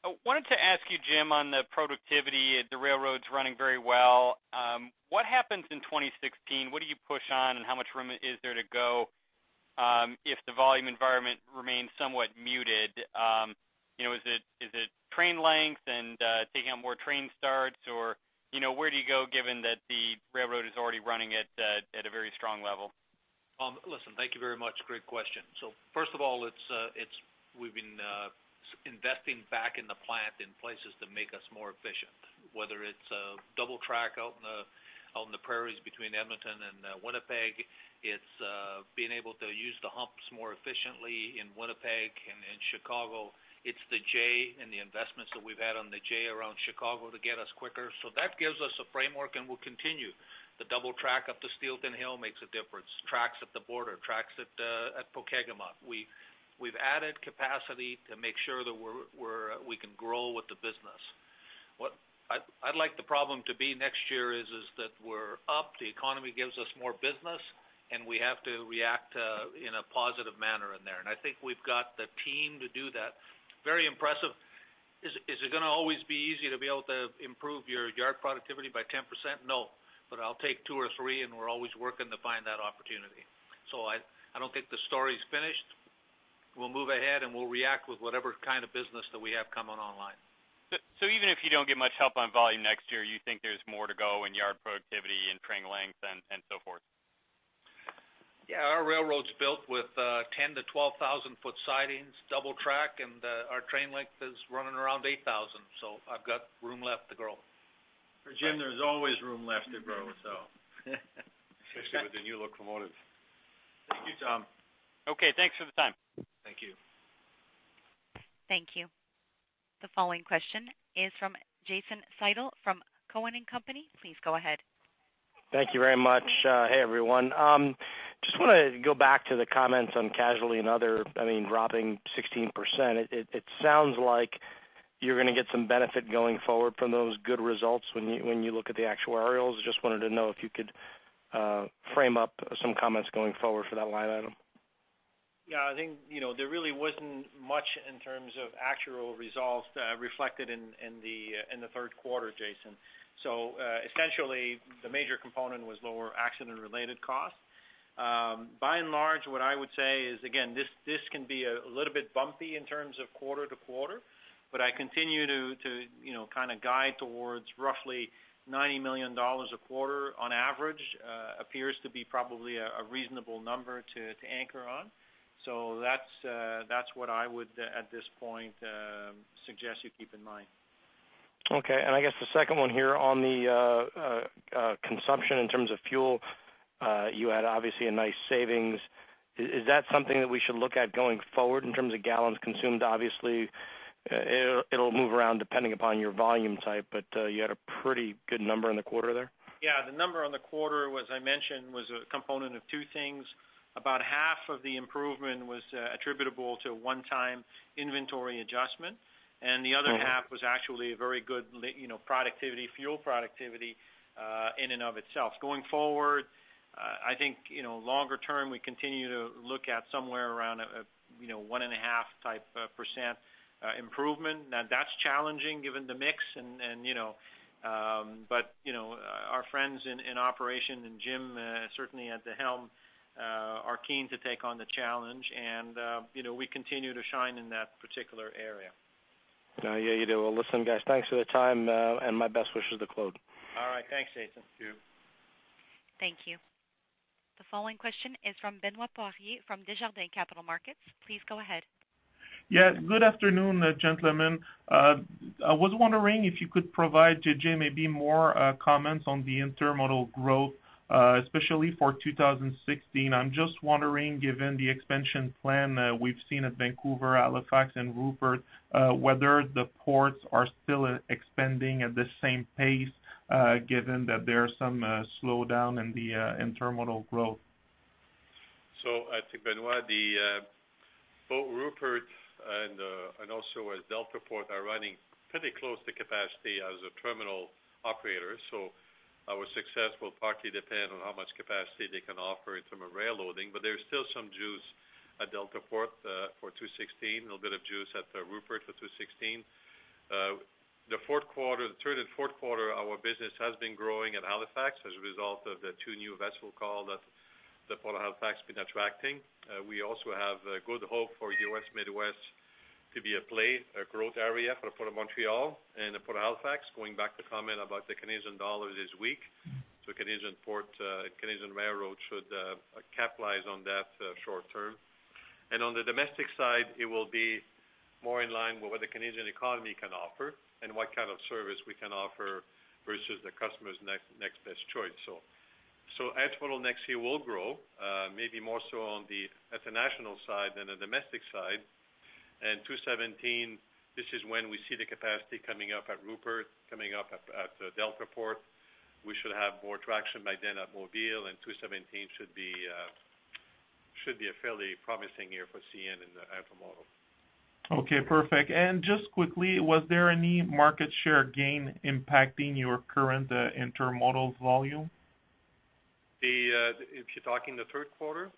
I wanted to ask you, Jim, on the productivity, the railroad's running very well. What happens in 2016? What do you push on, and how much room is there to go, if the volume environment remains somewhat muted? You know, is it train length and taking on more train starts? Or, you know, where do you go, given that the railroad is already running at a very strong level? Listen, thank you very much. Great question. So first of all, it's we've been investing back in the plant in places to make us more efficient, whether it's a double track out in the prairies between Edmonton and Winnipeg. It's being able to use the humps more efficiently in Winnipeg and in Chicago. It's the J and the investments that we've had on the J around Chicago to get us quicker. So that gives us a framework, and we'll continue. The double track up to Steelton Hill makes a difference. Tracks at the border, tracks at Pokegama. We've added capacity to make sure that we can grow with the business. What... I'd like the problem to be next year is that we're up, the economy gives us more business, and we have to react in a positive manner in there. I think we've got the team to do that. Very impressive. Is it gonna always be easy to be able to improve your yard productivity by 10%? No, but I'll take two or three, and we're always working to find that opportunity. I don't think the story's finished. We'll move ahead, and we'll react with whatever kind of business that we have coming online. So, even if you don't get much help on volume next year, you think there's more to go in yard productivity and train length?... Yeah, our railroad's built with 10,000- to 12,000-foot sidings, double track, and our train length is running around 8,000, so I've got room left to grow. For Jim, there's always room left to grow, so Especially with the new locomotive. Thank you, Tom. Okay, thanks for the time. Thank you. Thank you. The following question is from Jason Seidl from Cowen and Company. Please go ahead. Thank you very much. Hey, everyone. Just wanna go back to the comments on casualty and other, I mean, dropping 16%. It sounds like you're gonna get some benefit going forward from those good results when you look at the actuarials. Just wanted to know if you could frame up some comments going forward for that line item. Yeah, I think, you know, there really wasn't much in terms of actual results, reflected in the third quarter, Jason. So, essentially, the major component was lower accident-related costs. By and large, what I would say is, again, this can be a little bit bumpy in terms of quarter to quarter, but I continue to, you know, kind of guide towards roughly $90 million a quarter on average, appears to be probably a reasonable number to anchor on. So that's what I would, at this point, suggest you keep in mind. Okay. And I guess the second one here on the consumption in terms of fuel, you had obviously a nice savings. Is that something that we should look at going forward in terms of gallons consumed? Obviously, it'll move around depending upon your volume type, but you had a pretty good number in the quarter there. Yeah, the number on the quarter, as I mentioned, was a component of two things. About half of the improvement was attributable to a one-time inventory adjustment, and the other half- Mm-hmm... was actually a very good, you know, productivity, fuel productivity, in and of itself. Going forward, I think, you know, longer term, we continue to look at somewhere around a 1.5% type of improvement. Now, that's challenging, given the mix and, you know, but, you know, our friends in operation, and Jim, certainly at the helm, are keen to take on the challenge. And, you know, we continue to shine in that particular area. Yeah, you do. Well, listen, guys, thanks for the time, and my best wishes to the close. All right. Thanks, Jason. Thank you. Thank you. The following question is from Benoit Poirier, from Desjardins Capital Markets. Please go ahead. Yes, good afternoon, gentlemen. I was wondering if you could provide, JJ, maybe more comments on the intermodal growth, especially for 2016. I'm just wondering, given the expansion plan we've seen at Vancouver, Halifax, and Rupert, whether the ports are still expanding at the same pace, given that there are some slowdown in the intermodal growth. So I think, Benoit, both Rupert and also at Deltaport are running pretty close to capacity as a terminal operator. So our success will partly depend on how much capacity they can offer in terms of rail loading. But there's still some juice at Deltaport for 2016, a little bit of juice at Rupert for 2016. The fourth quarter, the third and fourth quarter, our business has been growing at Halifax as a result of the two new vessel call that the Port of Halifax been attracting. We also have good hope for U.S. Midwest to be a play, a growth area for the Port of Montreal and the Port of Halifax. Going back to comment about the Canadian dollar this week, so Canadian port, Canadian railroad should capitalize on that, short term. And on the domestic side, it will be more in line with what the Canadian economy can offer and what kind of service we can offer vs the customer's next best choice. So intermodal next year will grow, maybe more so on the international side than the domestic side. And 2017, this is when we see the capacity coming up at Rupert, coming up at Deltaport. We should have more traction by then at Mobile, and 2017 should be a fairly promising year for CN in the intermodal. Okay, perfect. And just quickly, was there any market share gain impacting your current, intermodal volume? The, if you're talking the third quarter?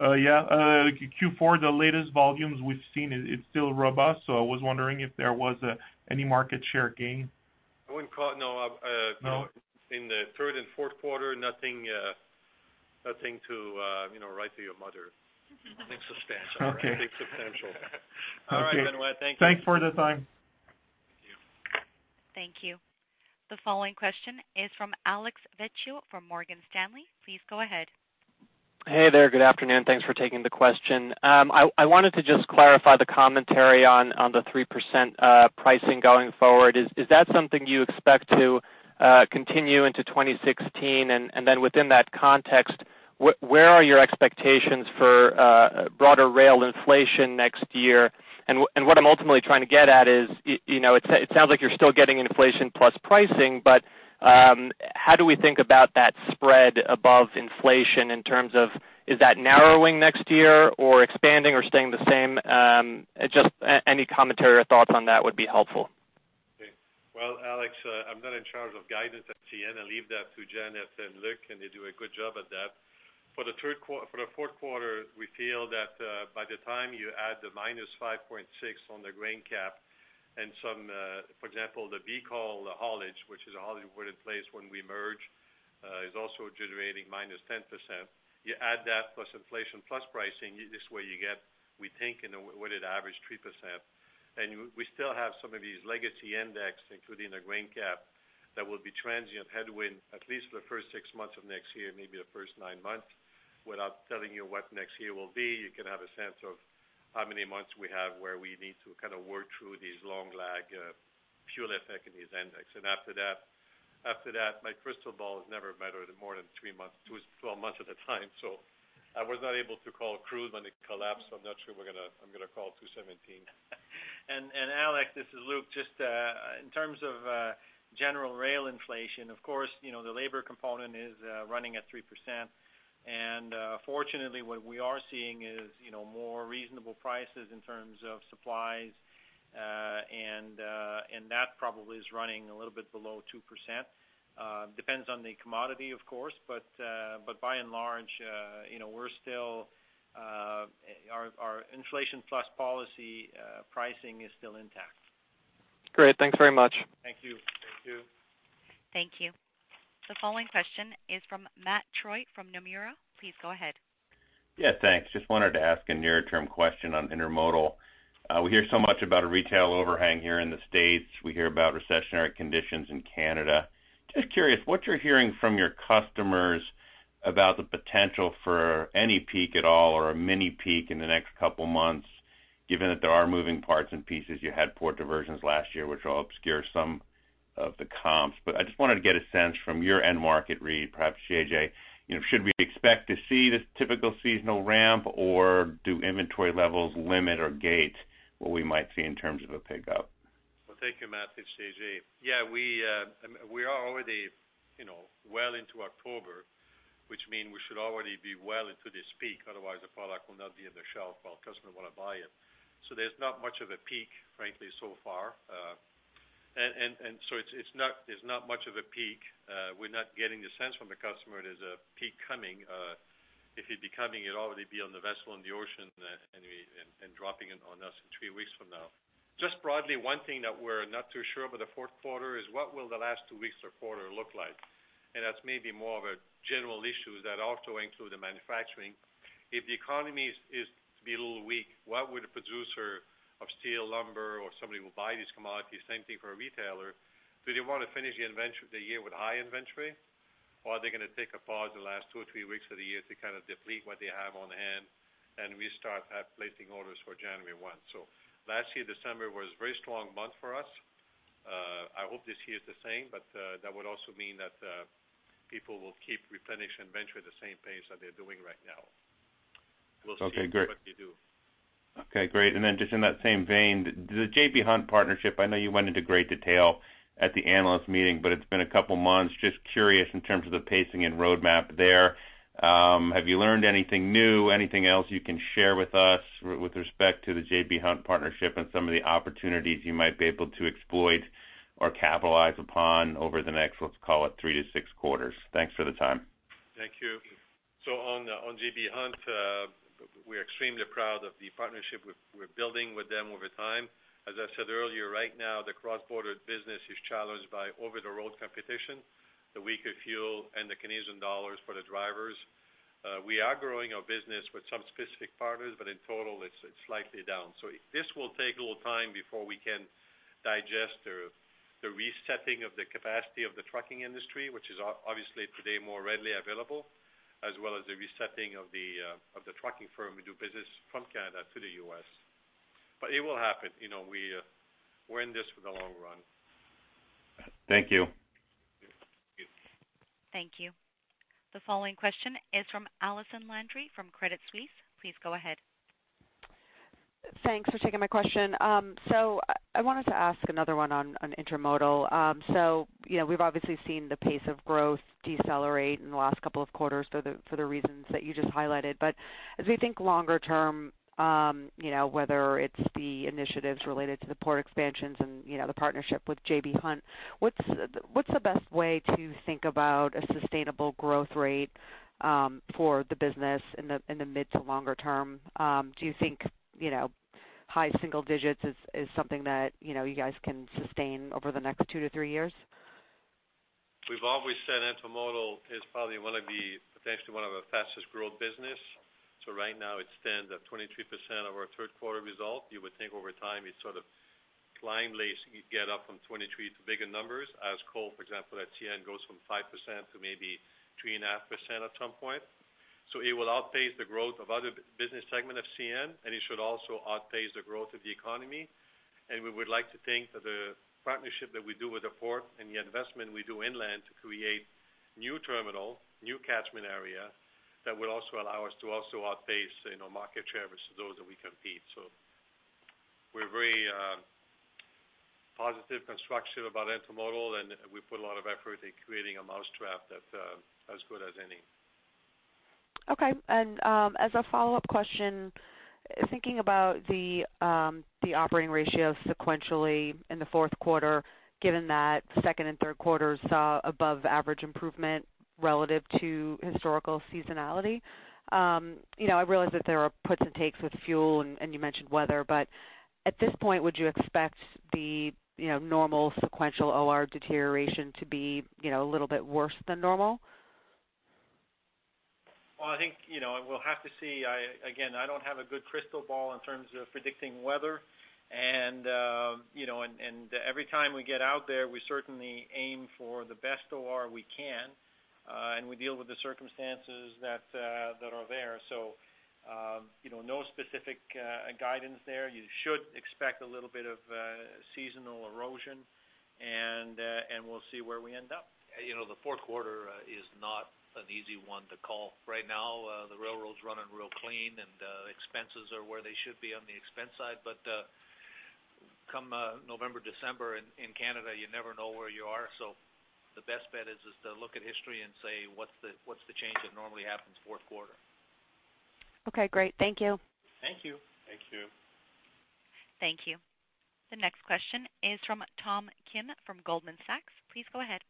Yeah, Q4, the latest volumes we've seen, it's still robust, so I was wondering if there was any market share gain? I wouldn't call-- No, no. No. In the third and fourth quarter, nothing, nothing to, you know, write to your mother. Nothing substantial. Okay. Nothing substantial. All right, Benoit. Thank you. Thanks for the time. Thank you. Thank you. The following question is from Alex Vecchio from Morgan Stanley. Please go ahead. Hey there. Good afternoon. Thanks for taking the question. I wanted to just clarify the commentary on the 3% pricing going forward. Is that something you expect to continue into 2016? And then within that context, where are your expectations for broader rail inflation next year? And what I'm ultimately trying to get at is, you know, it sounds like you're still getting inflation plus pricing, but how do we think about that spread above inflation in terms of, is that narrowing next year, or expanding, or staying the same? Just any commentary or thoughts on that would be helpful. Well, Alex, I'm not in charge of guidance at CN. I leave that to Janet and Luc, and they do a good job at that. For the fourth quarter, we feel that, by the time you add the -5.6 on the grain cap and some, for example, the BC Rail, the haulage, which is a haulage put in place when we merged, is also generating -10%. You add that plus inflation, plus pricing, this way you get, we think, in a weighted average, 3%. And we, we still have some of these legacy index, including the grain cap-... that will be transient headwind, at least for the first six months of next year, maybe the first nine months, without telling you what next year will be, you can have a sense of how many months we have, where we need to kind of work through these long lag, fuel effect in these index. And after that, after that, my crystal ball has never mattered more than three months, two, well, months at a time. So I was not able to call crude when it collapsed. I'm not sure we're gonna- I'm gonna call 2017. Alex, this is Luc. Just in terms of general rail inflation, of course, you know, the labor component is running at 3%. Fortunately, what we are seeing is, you know, more reasonable prices in terms of supplies, and that probably is running a little bit below 2%. Depends on the commodity, of course, but by and large, you know, we're still our inflation plus policy pricing is still intact. Great. Thanks very much. Thank you. Thank you. Thank you. The following question is from Matt Troy, from Nomura. Please go ahead. Yeah, thanks. Just wanted to ask a near-term question on intermodal. We hear so much about a retail overhang here in the States. We hear about recessionary conditions in Canada. Just curious, what you're hearing from your customers about the potential for any peak at all or a mini peak in the next couple of months, given that there are moving parts and pieces, you had port diversions last year, which will obscure some of the comps. But I just wanted to get a sense from your end market read, perhaps, JJ, you know, should we expect to see this typical seasonal ramp, or do inventory levels limit or gate what we might see in terms of a pickup? Well, thank you, Matt. It's JJ. Yeah, we are already, you know, well into October, which mean we should already be well into this peak. Otherwise, the product will not be on the shelf while customer want to buy it. So there's not much of a peak, frankly, so far. There's not much of a peak. We're not getting the sense from the customer there's a peak coming. If it'd be coming, it'd already be on the vessel, in the ocean, and dropping it on us three weeks from now. Just broadly, one thing that we're not too sure about the fourth quarter is what will the last two weeks of quarter look like? And that's maybe more of a general issue that also include the manufacturing. If the economy is to be a little weak, what would a producer of steel, lumber, or somebody who buy these commodities, same thing for a retailer, do they want to finish the year with high inventory? Or are they gonna take a pause in the last two or three weeks of the year to kind of deplete what they have on hand and restart placing orders for January one? So last year, December was a very strong month for us. I hope this year is the same, but that would also mean that people will keep replenishing inventory at the same pace that they're doing right now. We'll see. Okay, great. what they do. Okay, great. And then just in that same vein, the J.B. Hunt partnership, I know you went into great detail at the analyst meeting, but it's been a couple of months. Just curious, in terms of the pacing and roadmap there, have you learned anything new, anything else you can share with us with respect to the J.B. Hunt partnership and some of the opportunities you might be able to exploit or capitalize upon over the next, let's call it, three to six quarters? Thanks for the time. Thank you. So on J.B. Hunt, we're extremely proud of the partnership we're building with them over time. As I said earlier, right now, the cross-border business is challenged by over-the-road competition, the weaker fuel, and the Canadian dollars for the drivers. We are growing our business with some specific partners, but in total, it's slightly down. So this will take a little time before we can digest the resetting of the capacity of the trucking industry, which is obviously, today, more readily available, as well as the resetting of the trucking firm we do business from Canada to the U.S. But it will happen, you know, we're in this for the long run. Thank you. Thank you. Thank you. The following question is from Allison Landry, from Credit Suisse. Please go ahead. Thanks for taking my question. So I wanted to ask another one on intermodal. You know, we've obviously seen the pace of growth decelerate in the last couple of quarters for the reasons that you just highlighted. But as we think longer term, you know, whether it's the initiatives related to the port expansions and the partnership with J.B. Hunt, what's the best way to think about a sustainable growth rate for the business in the mid to longer term? Do you think, you know, high single digits is something that you guys can sustain over the next two to three years? We've always said intermodal is probably one of the, potentially one of our fastest growth business. So right now, it stands at 23% of our third quarter result. You would think over time, it sort of climbs, get up from 23 to bigger numbers, as coal, for example, at CN, goes from 5% to maybe 3.5% at some point. So it will outpace the growth of other business segment of CN, and it should also outpace the growth of the economy. And we would like to think that the partnership that we do with the port and the investment we do inland to create new terminal, new catchment area, that will also allow us to also outpace, you know, market share vs those that we compete. So we're very positive, constructive about intermodal, and we put a lot of effort in creating a mousetrap that's as good as any. Okay. And, as a follow-up question, thinking about the operating ratio sequentially in the fourth quarter, given that second and third quarters saw above average improvement relative to historical seasonality, you know, I realize that there are puts and takes with fuel, and you mentioned weather, but at this point, would you expect the, you know, normal sequential OR deterioration to be, you know, a little bit worse than normal? ... Well, I think, you know, we'll have to see. I, again, don't have a good crystal ball in terms of predicting weather. And, you know, every time we get out there, we certainly aim for the best OR we can, and we deal with the circumstances that are there. So, you know, no specific guidance there. You should expect a little bit of seasonal erosion, and we'll see where we end up. You know, the fourth quarter is not an easy one to call. Right now, the railroad's running real clean, and expenses are where they should be on the expense side. But come November, December in Canada, you never know where you are. So the best bet is to look at history and say, "What's the change that normally happens fourth quarter? Okay, great. Thank you. Thank you. Thank you. Thank you. The next question is from Tom Kim from Goldman Sachs. Please go ahead.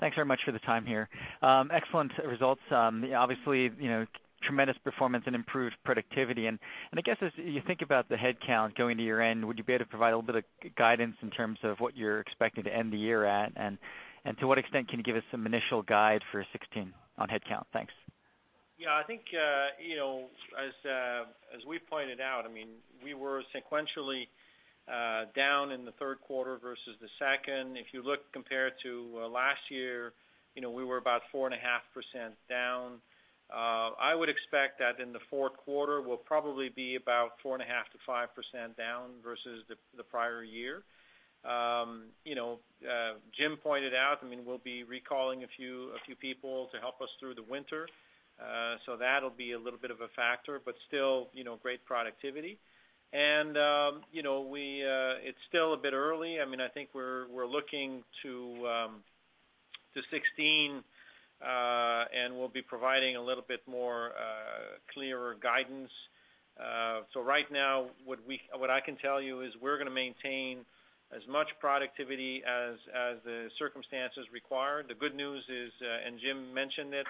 Thanks very much for the time here. Excellent results. Obviously, you know, tremendous performance and improved productivity. And I guess, as you think about the headcount going into year-end, would you be able to provide a little bit of guidance in terms of what you're expecting to end the year at? And to what extent can you give us some initial guide for 2016 on headcount? Thanks. Yeah, I think, you know, as we pointed out, I mean, we were sequentially down in the third quarter vs the second. If you look compared to last year, you know, we were about 4.5% down. I would expect that in the fourth quarter, we'll probably be about 4.5%-5% down vs the prior year. You know, Jim pointed out, I mean, we'll be recalling a few, a few people to help us through the winter. So that'll be a little bit of a factor, but still, you know, great productivity. And, you know, we, it's still a bit early. I mean, I think we're, we're looking to 2016, and we'll be providing a little bit more clearer guidance. So right now, what I can tell you is we're gonna maintain as much productivity as the circumstances require. The good news is, and Jim mentioned it,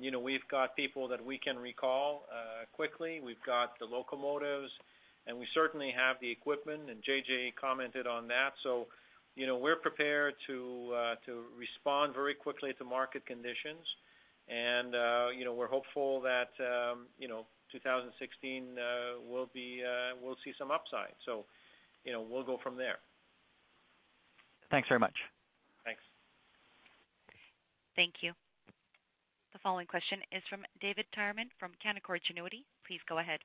you know, we've got people that we can recall quickly. We've got the locomotives, and we certainly have the equipment, and JJ commented on that. So, you know, we're prepared to respond very quickly to market conditions, and you know, we're hopeful that you know, 2016 will see some upside. So, you know, we'll go from there. Thanks very much. Thanks. Thank you. The following question is from David Tyerman from Canaccord Genuity. Please go ahead.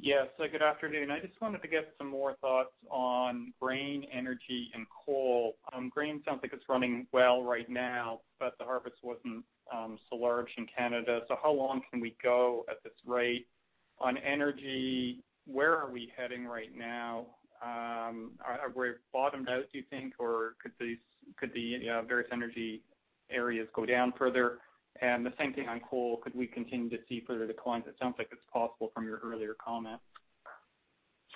Yes, good afternoon. I just wanted to get some more thoughts on grain, energy, and coal. Grain sounds like it's running well right now, but the harvest wasn't so large in Canada. So how long can we go at this rate? On energy, where are we heading right now? Are we bottomed out, do you think, or could the various energy areas go down further? And the same thing on coal, could we continue to see further declines? It sounds like it's possible from your earlier comment.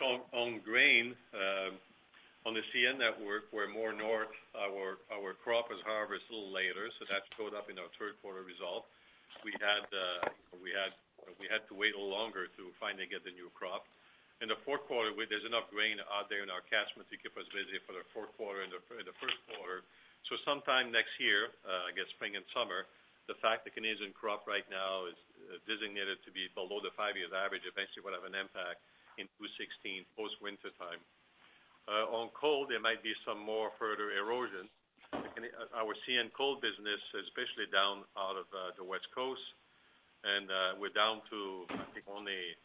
So on grain, on the CN network, we're more north. Our crop was harvested a little later, so that showed up in our third quarter result. We had, we had to wait a little longer to finally get the new crop. In the fourth quarter, there's enough grain out there in our catchment to keep us busy for the fourth quarter and the first quarter. So sometime next year, I guess, spring and summer, the fact the Canadian crop right now is designated to be below the five-year average, eventually will have an impact in 2016, post-wintertime. On coal, there might be some more further erosion. Our CN coal business, especially down out of the West Coast, and we're down to, I think, only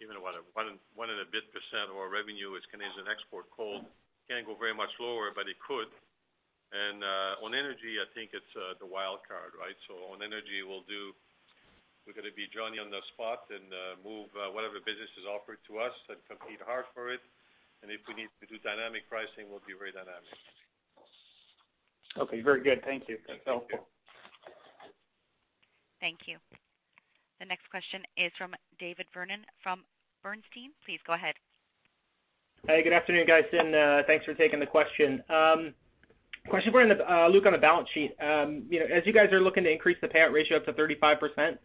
1, 1 and a bit% of our revenue is Canadian export coal. Can't go very much lower, but it could. And on energy, I think it's the wild card, right? So on energy, we'll do. We're gonna be Johnny on the spot and move whatever business is offered to us and compete hard for it. And if we need to do dynamic pricing, we'll be very dynamic. Okay, very good. Thank you. Thank you. That's helpful. Thank you. The next question is from David Vernon from Bernstein. Please go ahead. Hey, good afternoon, guys, and thanks for taking the question. Question for Luc on the balance sheet. You know, as you guys are looking to increase the payout ratio up to 35%,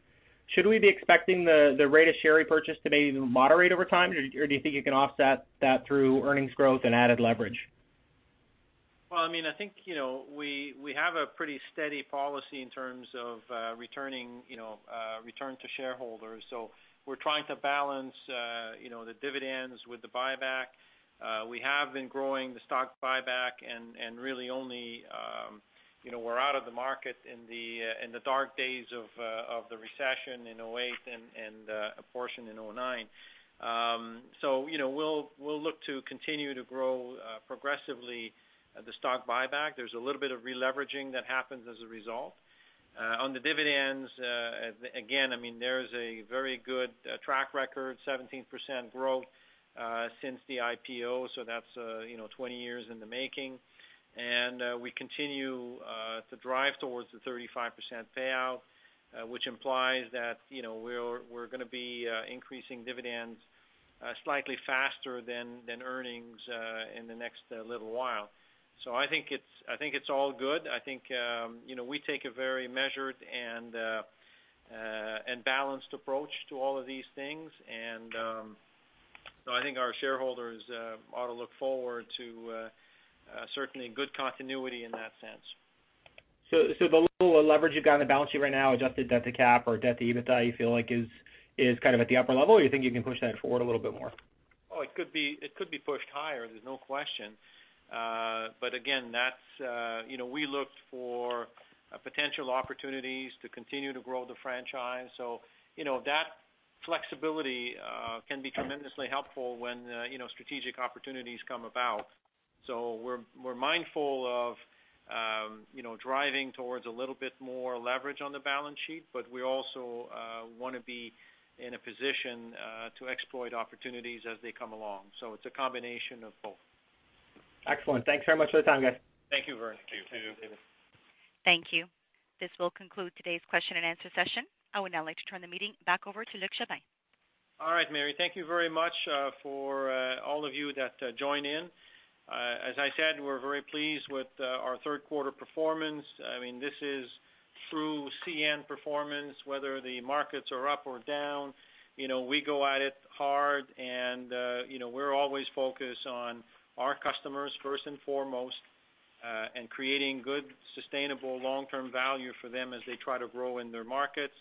should we be expecting the rate of share repurchase to maybe even moderate over time, or do you think you can offset that through earnings growth and added leverage? Well, I mean, I think, you know, we have a pretty steady policy in terms of returning, you know, return to shareholders. So we're trying to balance, you know, the dividends with the buyback. We have been growing the stock buyback, and really only, you know, we're out of the market in the dark days of the recession in 2008 and a portion in 2009. So, you know, we'll look to continue to grow progressively the stock buyback. There's a little bit of releveraging that happens as a result. On the dividends, again, I mean, there's a very good track record, 17% growth since the IPO, so that's, you know, 20 years in the making. We continue to drive towards the 35% payout, which implies that, you know, we're gonna be increasing dividends slightly faster than earnings in the next little while. So I think it's all good. I think, you know, we take a very measured and balanced approach to all of these things. So I think our shareholders ought to look forward to certainly good continuity in that sense. The level of leverage you've got on the balance sheet right now, adjusted debt to cap or debt to EBITDA, you feel like is kind of at the upper level, or you think you can push that forward a little bit more? Oh, it could be, it could be pushed higher, there's no question. But again, that's, you know, we look for potential opportunities to continue to grow the franchise. So you know, that flexibility can be tremendously helpful when, you know, strategic opportunities come about. So we're mindful of, you know, driving towards a little bit more leverage on the balance sheet, but we also wanna be in a position to exploit opportunities as they come along. So it's a combination of both. Excellent. Thanks very much for the time, guys. Thank you, Vernon. Thank you. Thank you. Thank you. This will conclude today's question and answer session. I would now like to turn the meeting back over to Luc Jobin. All right, Mary, thank you very much for all of you that joined in. As I said, we're very pleased with our third quarter performance. I mean, this is true CN performance, whether the markets are up or down, you know, we go at it hard and, you know, we're always focused on our customers first and foremost, and creating good, sustainable, long-term value for them as they try to grow in their markets.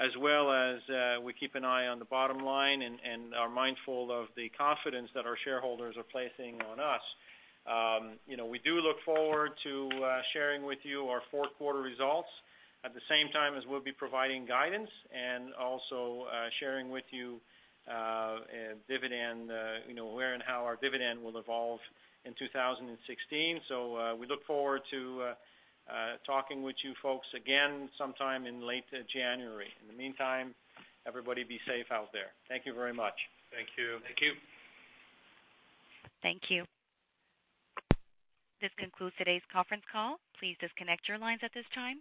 As well as, we keep an eye on the bottom line and are mindful of the confidence that our shareholders are placing on us. You know, we do look forward to sharing with you our fourth quarter results at the same time as we'll be providing guidance and also sharing with you a dividend, you know, where and how our dividend will evolve in 2016. So, we look forward to talking with you folks again sometime in late January. In the meantime, everybody be safe out there. Thank you very much. Thank you. Thank you. Thank you. This concludes today's conference call. Please disconnect your lines at this time.